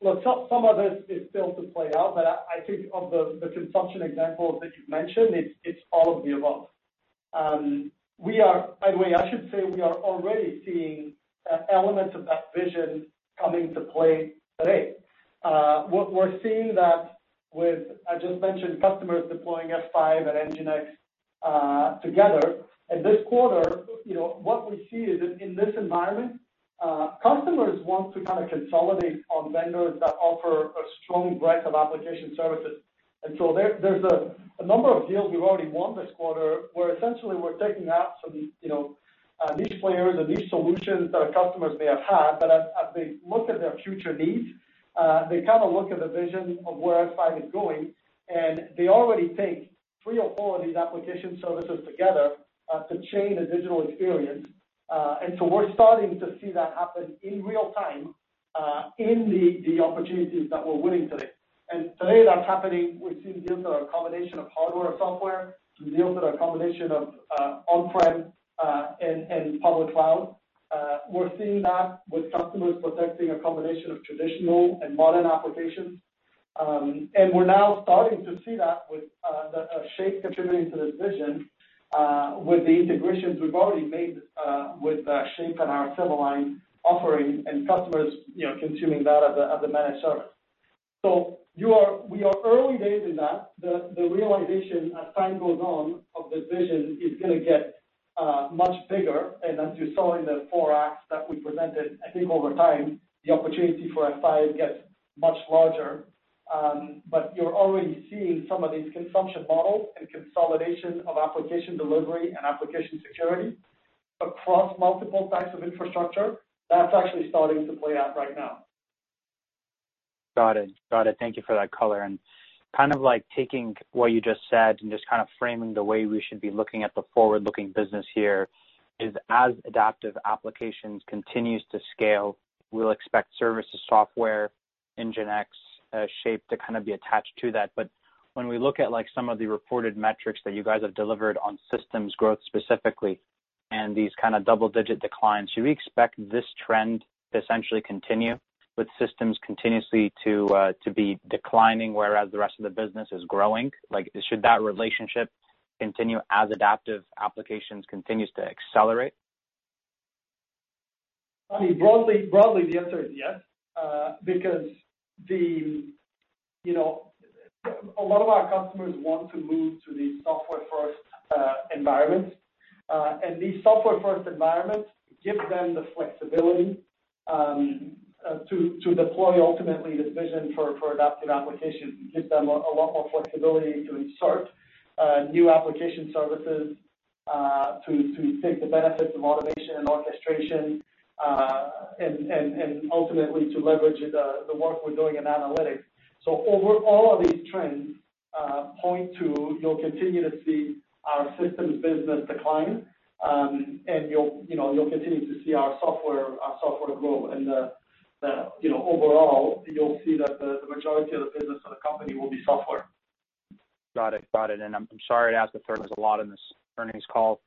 Well, some of this is still to play out, but I think of the consumption examples that you've mentioned, it's all of the above. We are By the way, I should say we are already seeing elements of that vision coming to play today. What we're seeing that with, I just mentioned customers deploying F5 and NGINX together. This quarter, you know, what we see is in this environment, customers want to kind of consolidate on vendors that offer a strong breadth of application services. There's a number of deals we've already won this quarter, where essentially we're taking apps from these, you know, niche players or niche solutions that our customers may have had. As they look at their future needs, they kind of look at the vision of where F5 is going, and they already take three or four of these application services together to chain a digital experience. We're starting to see that happen in real time in the opportunities that we're winning today. Today that's happening, we've seen deals that are a combination of hardware and software. Deals that are a combination of on-prem and public cloud. We're seeing that with customers protecting a combination of traditional and modern applications. We're now starting to see that with the Shape contributing to this vision, with the integrations we've already made, with Shape and our Silverline offering and customers, you know, consuming that as a managed service. We are early days in that. The realization as time goes on of this vision is going to get much bigger. As you saw in the four Acts that we presented, I think over time the opportunity for F5 gets much larger. You're already seeing some of these consumption models and consolidation of application delivery and application security across multiple types of infrastructure. That's actually starting to play out right now. Got it. Got it. Thank you for that color. Kind of like taking what you just said and just kind of framing the way we should be looking at the forward-looking business here is as adaptive applications continues to scale, we'll expect services software, NGINX, Shape to kind of be attached to that. When we look at like some of the reported metrics that you guys have delivered on systems growth specifically and these kind of double-digit declines, do we expect this trend to essentially continue with systems continuously to be declining, whereas the rest of the business is growing? Should that relationship continue as adaptive applications continues to accelerate? I mean, broadly, the answer is yes. Because, you know, a lot of our customers want to move to these software-first environments. These software-first environments give them the flexibility to deploy ultimately this vision for adaptive application. It gives them a lot more flexibility to insert new application services to take the benefits of automation and orchestration. Ultimately to leverage the work we're doing in analytics. Overall these trends point to you'll continue to see our systems business decline, and you'll, you know, continue to see our software grow. You know, overall, you'll see that the majority of the business of the company will be software. Got it, got it. I'm sorry to ask, but there was a lot in this earnings call,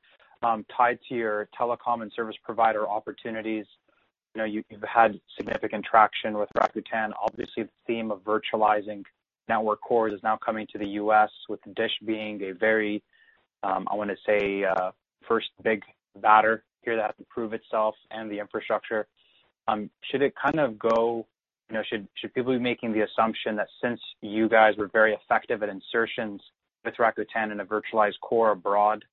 tied to your telecom and service provider opportunities. You know, you've had significant traction with Rakuten. Obviously, the theme of virtualizing network cores is now coming to the U.S. with Dish being a very, I want to say, first big batter here that has to prove itself and the infrastructure. Should it kind of go You know, should people be making the assumption that since you guys were very effective at insertions with Rakuten in a virtualized core abroad,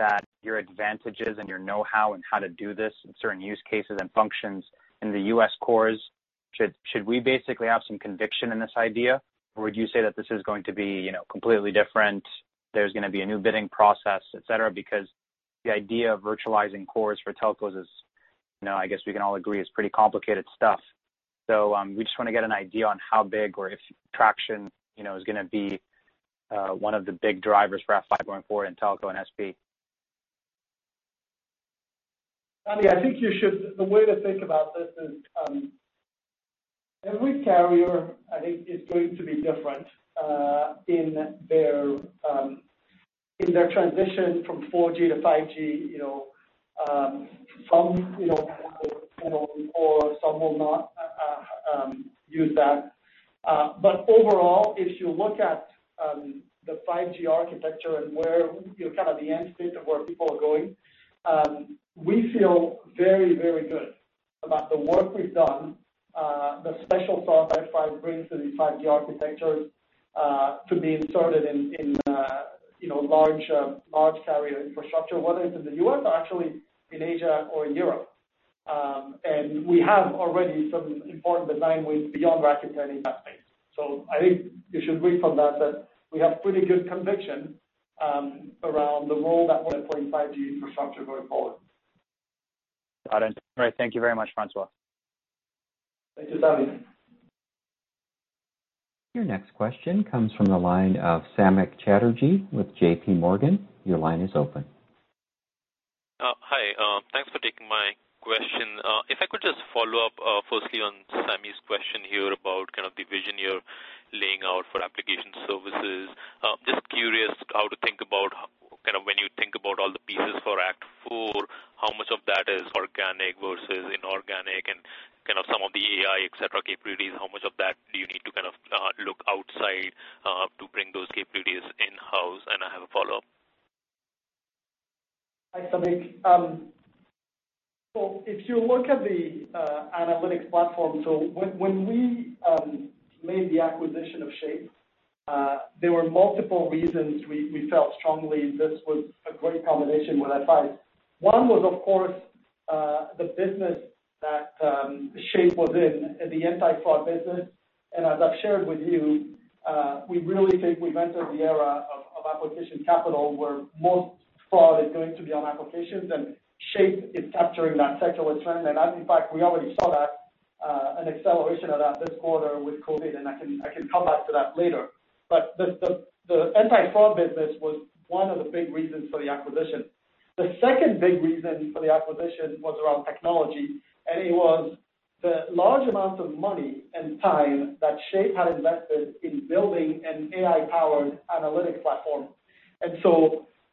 that your advantages and your know-how in how to do this in certain use cases and functions in the U.S. cores, should we basically have some conviction in this idea? Would you say that this is going to be, you know, completely different, there's going to be a new bidding process, et cetera? Because the idea of virtualizing cores for telcos is, you know, I guess we can all agree, is pretty complicated stuff. We just want to get an idea on how big or if traction, you know, is going to be one of the big drivers for F5 going forward in telco and SP. Sami, the way to think about this is, every carrier, I think, is going to be different in their transition from 4G to 5G. You know, some, you know, have a core, some will not use that. Overall, if you look at the 5G architecture and where, you know, kind of the end state of where people are going, we feel very, very good about the work we've done, the special sauce F5 brings to these 5G architectures to be inserted in large carrier infrastructure, whether it's in the U.S. or actually in Asia or in Europe. We have already some important design wins beyond Rakuten in that space. I think you should read from that we have pretty good conviction, around the role that we're playing in 5G infrastructure going forward. Got it. All right. Thank you very much, François. Thank you, Sami. Your next question comes from the line of Samik Chatterjee with JPMorgan. Your line is open. Hi. Thanks for taking my question. If I could just follow up, firstly on Sami's question here about kind of the vision you're laying out for application services. Just curious how to think about, kind of when you think about all the pieces for Act 4, how much of that is organic versus inorganic and kind of some of the AI, et cetera, capabilities, how much of that do you need to look outside to bring those capabilities in-house? I have a follow-up. Hi, Samik. If you look at the analytics platform, when we made the acquisition of Shape, there were multiple reasons we felt strongly this was a great combination with F5. One was, of course, the business that Shape was in, the anti-fraud business. As I've shared with you, we really think we've entered the era of application capital, where most fraud is going to be on applications, and Shape is capturing that secular trend. As a matter of fact, we already saw that an acceleration of that this quarter with COVID-19, I can come back to that later. The anti-fraud business was one of the big reasons for the acquisition. The second big reason for the acquisition was around technology, and it was the large amounts of money and time that Shape had invested in building an AI-powered analytics platform.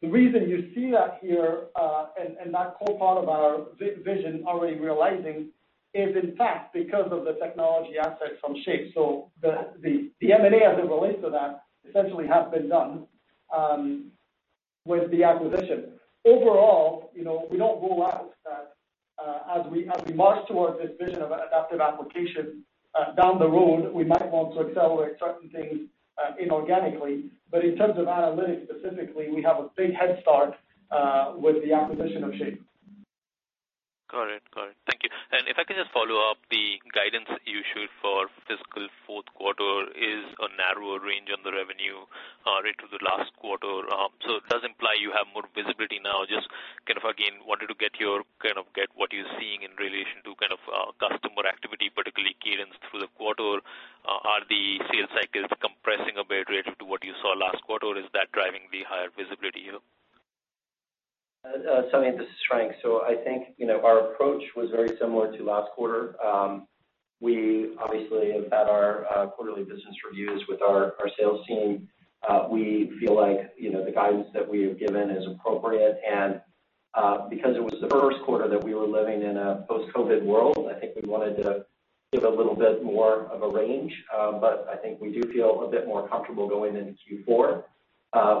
The reason you see that here, and that whole part of our vision already realizing is in fact because of the technology assets from Shape. The M&A as it relates to that essentially has been done with the acquisition. Overall, you know, we don't rule out that as we march towards this vision of an adaptive application down the road, we might want to accelerate certain things inorganically. In terms of analytics specifically, we have a big head start with the acquisition of Shape. Got it. Got it. Thank you. If I can just follow up, the guidance you issued for fiscal fourth quarter is a narrower range on the revenue rate to the last quarter. It does imply you have more visibility now. Just kind of, again, wanted to get your, get what you're seeing in relation to kind of customer activity, particularly cadence through the quarter. Are the sales cycles compressing a bit relative to what you saw last quarter? Is that driving the higher visibility here? Samik, this is Frank. I think, you know, our approach was very similar to last quarter. We obviously have had our quarterly business reviews with our sales team. We feel like, you know, the guidance that we have given is appropriate. Because it was the first quarter that we were living in a post-COVID world, I think we wanted to give a little bit more of a range. I think we do feel a bit more comfortable going into Q4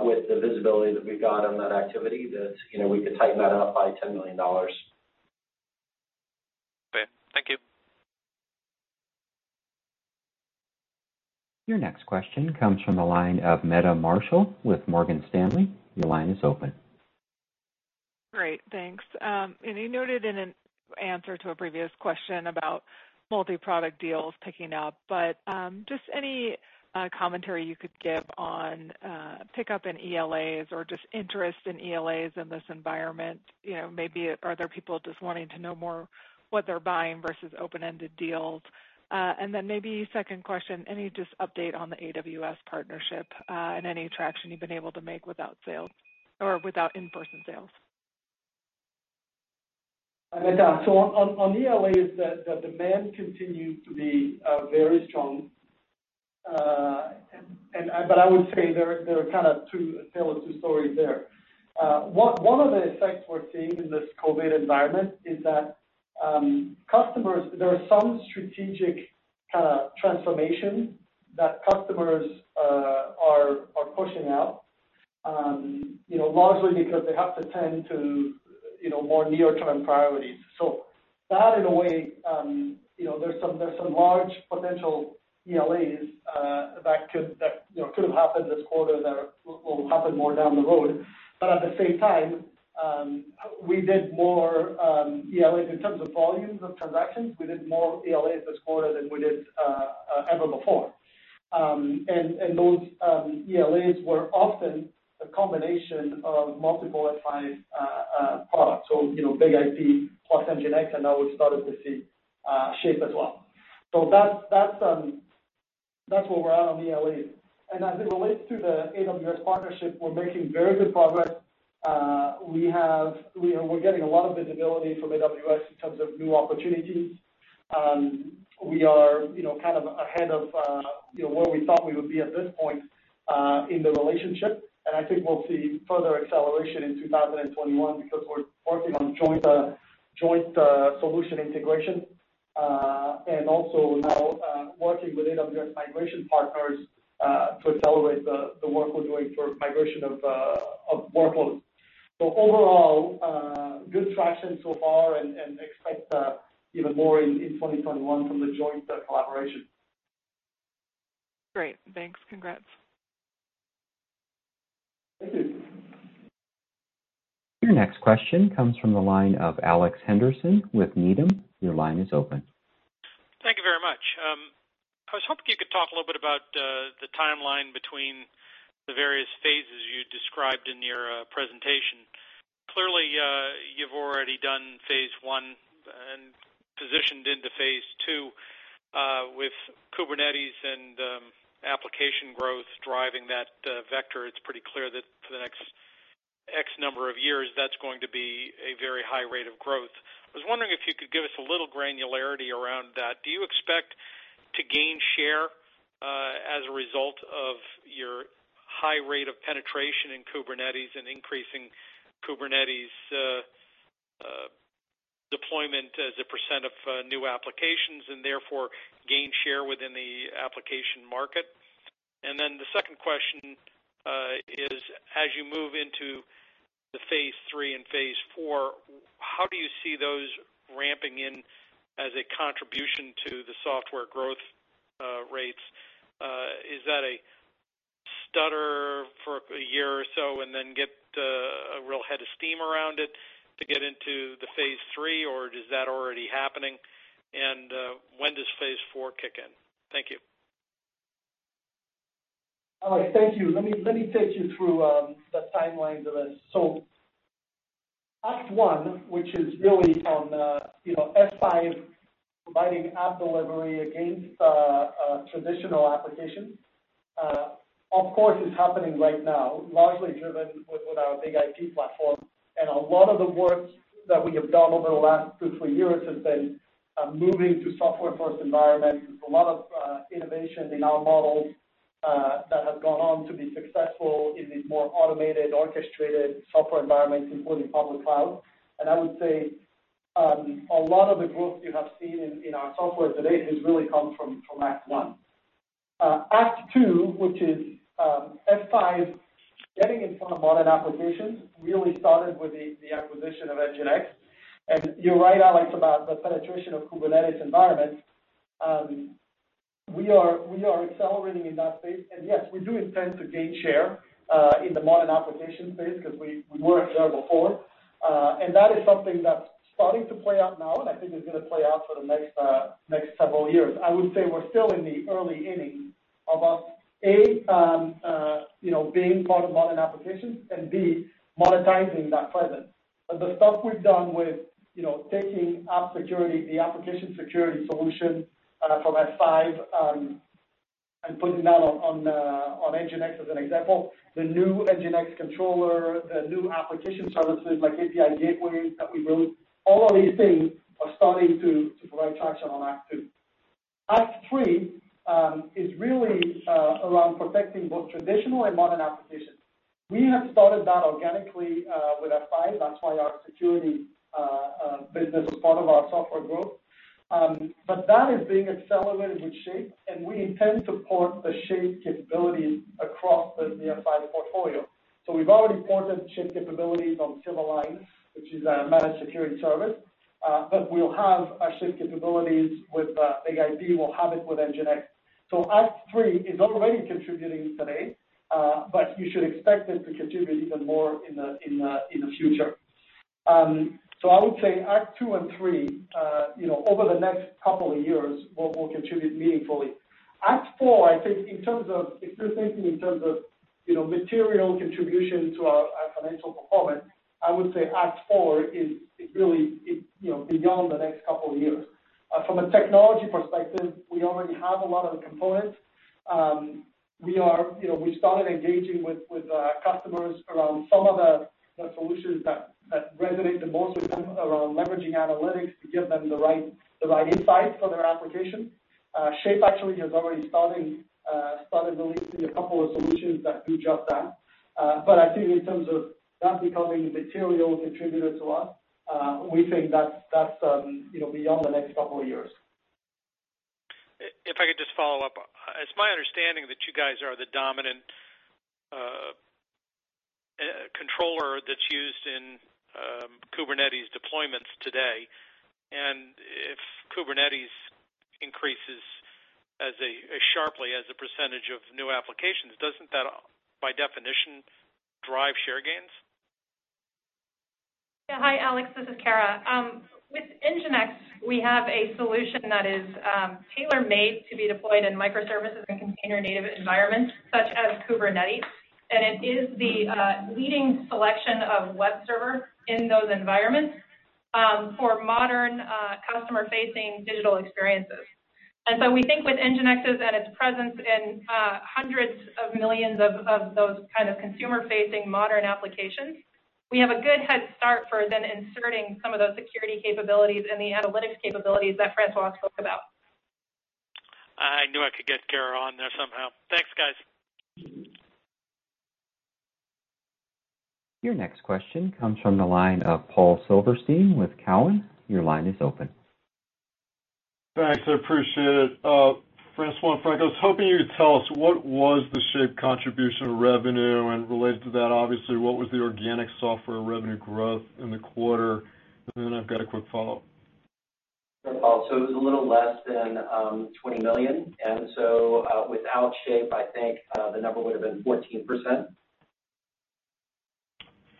with the visibility that we've got on that activity that, you know, we could tighten that up by $10 million. Okay, thank you. Your next question comes from the line of Meta Marshall with Morgan Stanley. Your line is open. Great, thanks. You noted in an answer to a previous question about multi-product deals picking up, just any commentary you could give on pickup in ELAs or just interest in ELAs in this environment. You know, maybe are there people just wanting to know more what they're buying versus open-ended deals? Then maybe second question, any just update on the AWS partnership, and any traction you've been able to make without sales or without in-person sales? I meant, so on ELAs the demand continued to be very strong. I would say there are kind of tell two stories there. One, one of the effects we're seeing in this COVID-19 environment is that there are some strategic kind of transformation that customers are pushing out, you know, largely because they have to tend to, you know, more near-term priorities. That in a way, you know, there's some large potential ELAs that could, you know, could have happened this quarter that will happen more down the road. At the same time, we did more ELAs in terms of volumes of transactions. We did more ELAs this quarter than we did ever before. And those ELAs were often a combination of multiple F5 products. You know, BIG-IP plus NGINX, and now we're starting to see Shape as well. That's, that's where we're at on ELAs. As it relates to the AWS partnership, we're making very good progress. We're getting a lot of visibility from AWS in terms of new opportunities. We are, you know, kind of ahead of, you know, where we thought we would be at this point in the relationship. I think we'll see further acceleration in 2021 because we're working on joint solution integration. Also now working with AWS migration partners to accelerate the work we're doing for migration of workloads. Overall, good traction so far and expect even more in 2021 from the joint collaboration. Great. Thanks. Congrats. Thank you. Your next question comes from the line of Alex Henderson with Needham. Your line is open. Thank you very much. I was hoping you could talk a little bit about the timeline between the various phases you described in your presentation. Clearly, you've already done Phase 1 and positioned into Phase 2 with Kubernetes and application growth driving that vector. It's pretty clear that for the next X number of years, that's going to be a very high rate of growth. I was wondering if you could give us a little granularity around that. Do you expect to gain share as a result of your high rate of penetration in Kubernetes and increasing Kubernetes deployment as a percent of new applications and therefore gain share within the application market? The second question is, as you move into the Phase 3 and Phase 4, how do you see those ramping in as a contribution to the software growth rates? Is that a stutter for one year or so and then get a real head of steam around it to get into the Phase 3, or is that already happening? When does Phase 4 kick in? Thank you. Alex, thank you. Let me take you through the timelines of this. Act 1, which is really on, you know, F5 providing app delivery against traditional applications, of course, is happening right now, largely driven with our BIG-IP platform. A lot of the work that we have done over the last two, three years has been moving to software first environment. A lot of innovation in our models that have gone on to be successful in these more automated, orchestrated software environments, including public cloud. I would say a lot of the growth you have seen in our software to date has really come from Act 1. Act 2, which is F5 getting in front of modern applications, really started with the acquisition of NGINX. You're right, Alex, about the penetration of Kubernetes environments. We are accelerating in that space. Yes, we do intend to gain share in the modern application space because we weren't there before. That is something that's starting to play out now, and I think it's going to play out for the next several years. I would say we're still in the early innings of us, A, you know, being part of modern applications and, B, monetizing that presence. The stuff we've done with, you know, taking app security, the application security solution from F5, and putting that on NGINX as an example, the new NGINX Controller, the new application services like API gateways that we built, all of these things are starting to provide traction on Act 2. Act 3 is really around protecting both traditional and modern applications. We have started that organically with F5. That's why our security business is part of our software growth. That is being accelerated with Shape, and we intend to port the Shape capabilities across the F5 portfolio. We've already ported Shape capabilities on Silverline, which is a managed security service. We'll have our Shape capabilities with BIG-IP, we'll have it with NGINX. Act 3 is already contributing today, but you should expect it to contribute even more in the future. I would say Act 2 and 3, you know, over the next couple of years will contribute meaningfully. Act 4, I think in terms of if you're thinking in terms of, you know, material contribution to our financial performance, I would say Act 4 is really. You know, beyond the next couple of years. From a technology perspective, we already have a lot of the components. We are, you know, we started engaging with customers around some of the solutions that resonate the most with them around leveraging analytics to give them the right insights for their application. Shape actually is already started releasing a couple solutions that do just that. I think in terms of that becoming material contributors to us, we think that's, you know, beyond the next couple years. If I could just follow up. It's my understanding that you guys are the dominant controller that's used in Kubernetes deployments today. If Kubernetes increases as sharply as a percentage of new applications, doesn't that by definition drive share gains? Yeah. Hi, Alex, this is Kara. With NGINX, we have a solution that is tailor-made to be deployed in microservices and container-native environments such as Kubernetes. It is the leading selection of web server in those environments for modern, customer-facing digital experiences. We think with NGINX's and its presence in hundreds of millions of those kind of consumer-facing modern applications, we have a good head start for then inserting some of those security capabilities and the analytics capabilities that François spoke about. I knew I could get Kara on there somehow. Thanks, guys. Your next question comes from the line of Paul Silverstein with Cowen. Your line is open. Thanks. I appreciate it. François, Frank, I was hoping you'd tell us what was the Shape contribution revenue, related to that, obviously, what was the organic software revenue growth in the quarter? Then I've got a quick follow-up. Yeah, Paul. It was a little less than $20 million. Without Shape, I think the number would have been 14%.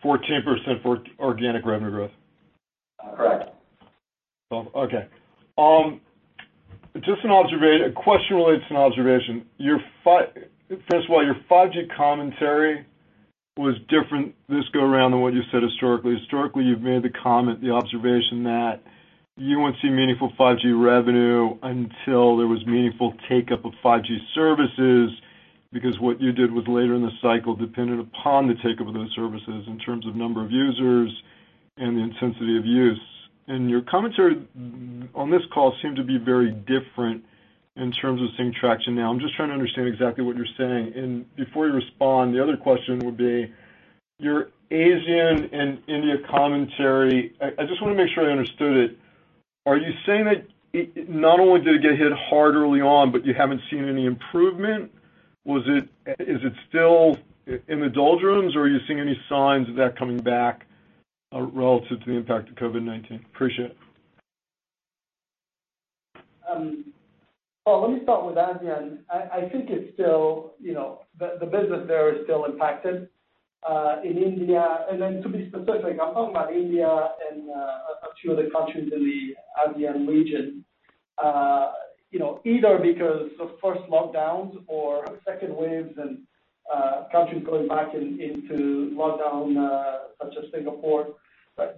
14% for organic revenue growth? Correct. Well, okay. Just a question relates to an observation. Your François, your 5G commentary was different this go around than what you said historically. Historically, you've made the comment, the observation that you won't see meaningful 5G revenue until there was meaningful take-up of 5G services, because what you did was later in the cycle dependent upon the take-up of those services in terms of number of users and the intensity of use. Your commentary on this call seemed to be very different in terms of seeing traction now. I'm just trying to understand exactly what you're saying. Before you respond, the other question would be, your ASEAN and India commentary, I just want to make sure I understood it. Are you saying that it not only did it get hit hard early on, but you haven't seen any improvement? Is it still in the doldrums, or are you seeing any signs of that coming back, relative to the impact of COVID-19? Appreciate it. Paul, let me start with ASEAN. I think it's still, you know, the business there is still impacted in India. To be specific, I'm talking about India and a few other countries in the ASEAN region. You know, either because of first lockdowns or second waves and countries going back into lockdown, such as Singapore.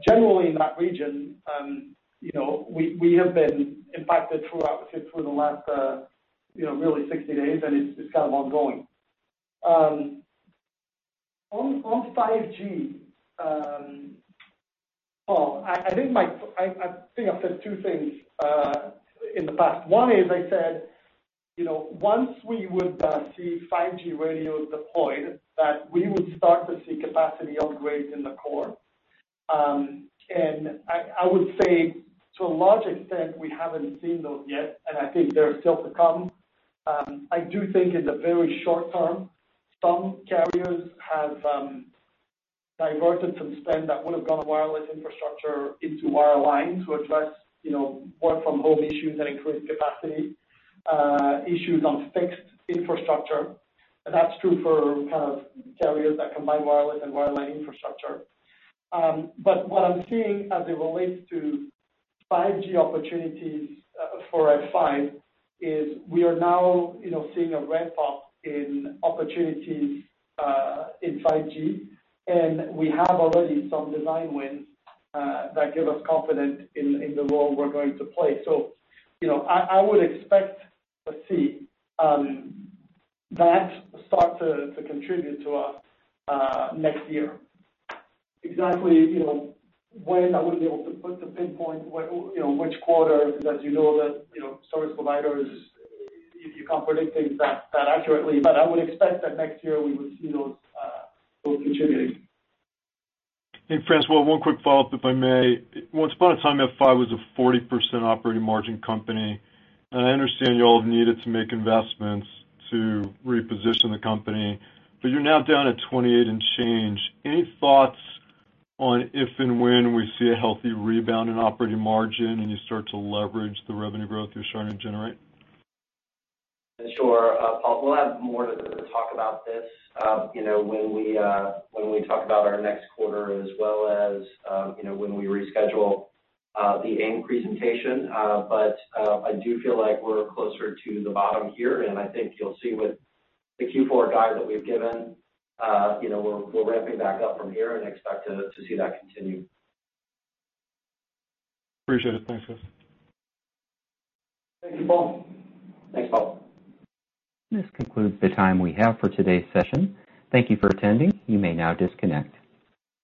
Generally in that region, you know, we have been impacted throughout, for the last, you know, really 60 days, and it's kind of ongoing. On 5G, Paul, I think I've said two things in the past. One is I said, you know, once we would see 5G radios deployed, that we would start to see capacity upgrades in the core. I would say to a large extent, we haven't seen those yet, and I think they're still to come. I do think in the very short term, some carriers have diverted some spend that would have gone to wireless infrastructure into wireline to address, you know, work from home issues and increase capacity issues on fixed infrastructure. That's true for kind of carriers that combine wireless and wireline infrastructure. What I'm seeing as it relates to 5G opportunities for F5, is we are now, you know, seeing a ramp-up in opportunities in 5G, and we have already some design wins that give us confidence in the role we're going to play. You know, I would expect to see that start to contribute to us next year. Exactly, you know, when I wouldn't be able to put the pinpoint where, you know, which quarter, because as you know that, you know, service providers, you can't predict things that accurately. I would expect that next year we would see those contributing. Hey, François, one quick follow-up, if I may. Once upon a time, F5 was a 40% operating margin company, and I understand you all have needed to make investments to reposition the company, but you're now down at 28% and change. Any thoughts on if and when we see a healthy rebound in operating margin and you start to leverage the revenue growth you're starting to generate? Sure, Paul. We'll have more to talk about this, you know, when we talk about our next quarter as well as, you know, when we reschedule the AIM presentation. I do feel like we're closer to the bottom here, and I think you'll see with the Q4 guide that we've given, you know, we're ramping back up from here and expect to see that continue. Appreciate it. Thanks, guys. Thank you, Paul. Thanks, Paul. This concludes the time we have for today's session. Thank you for attending. You may now disconnect.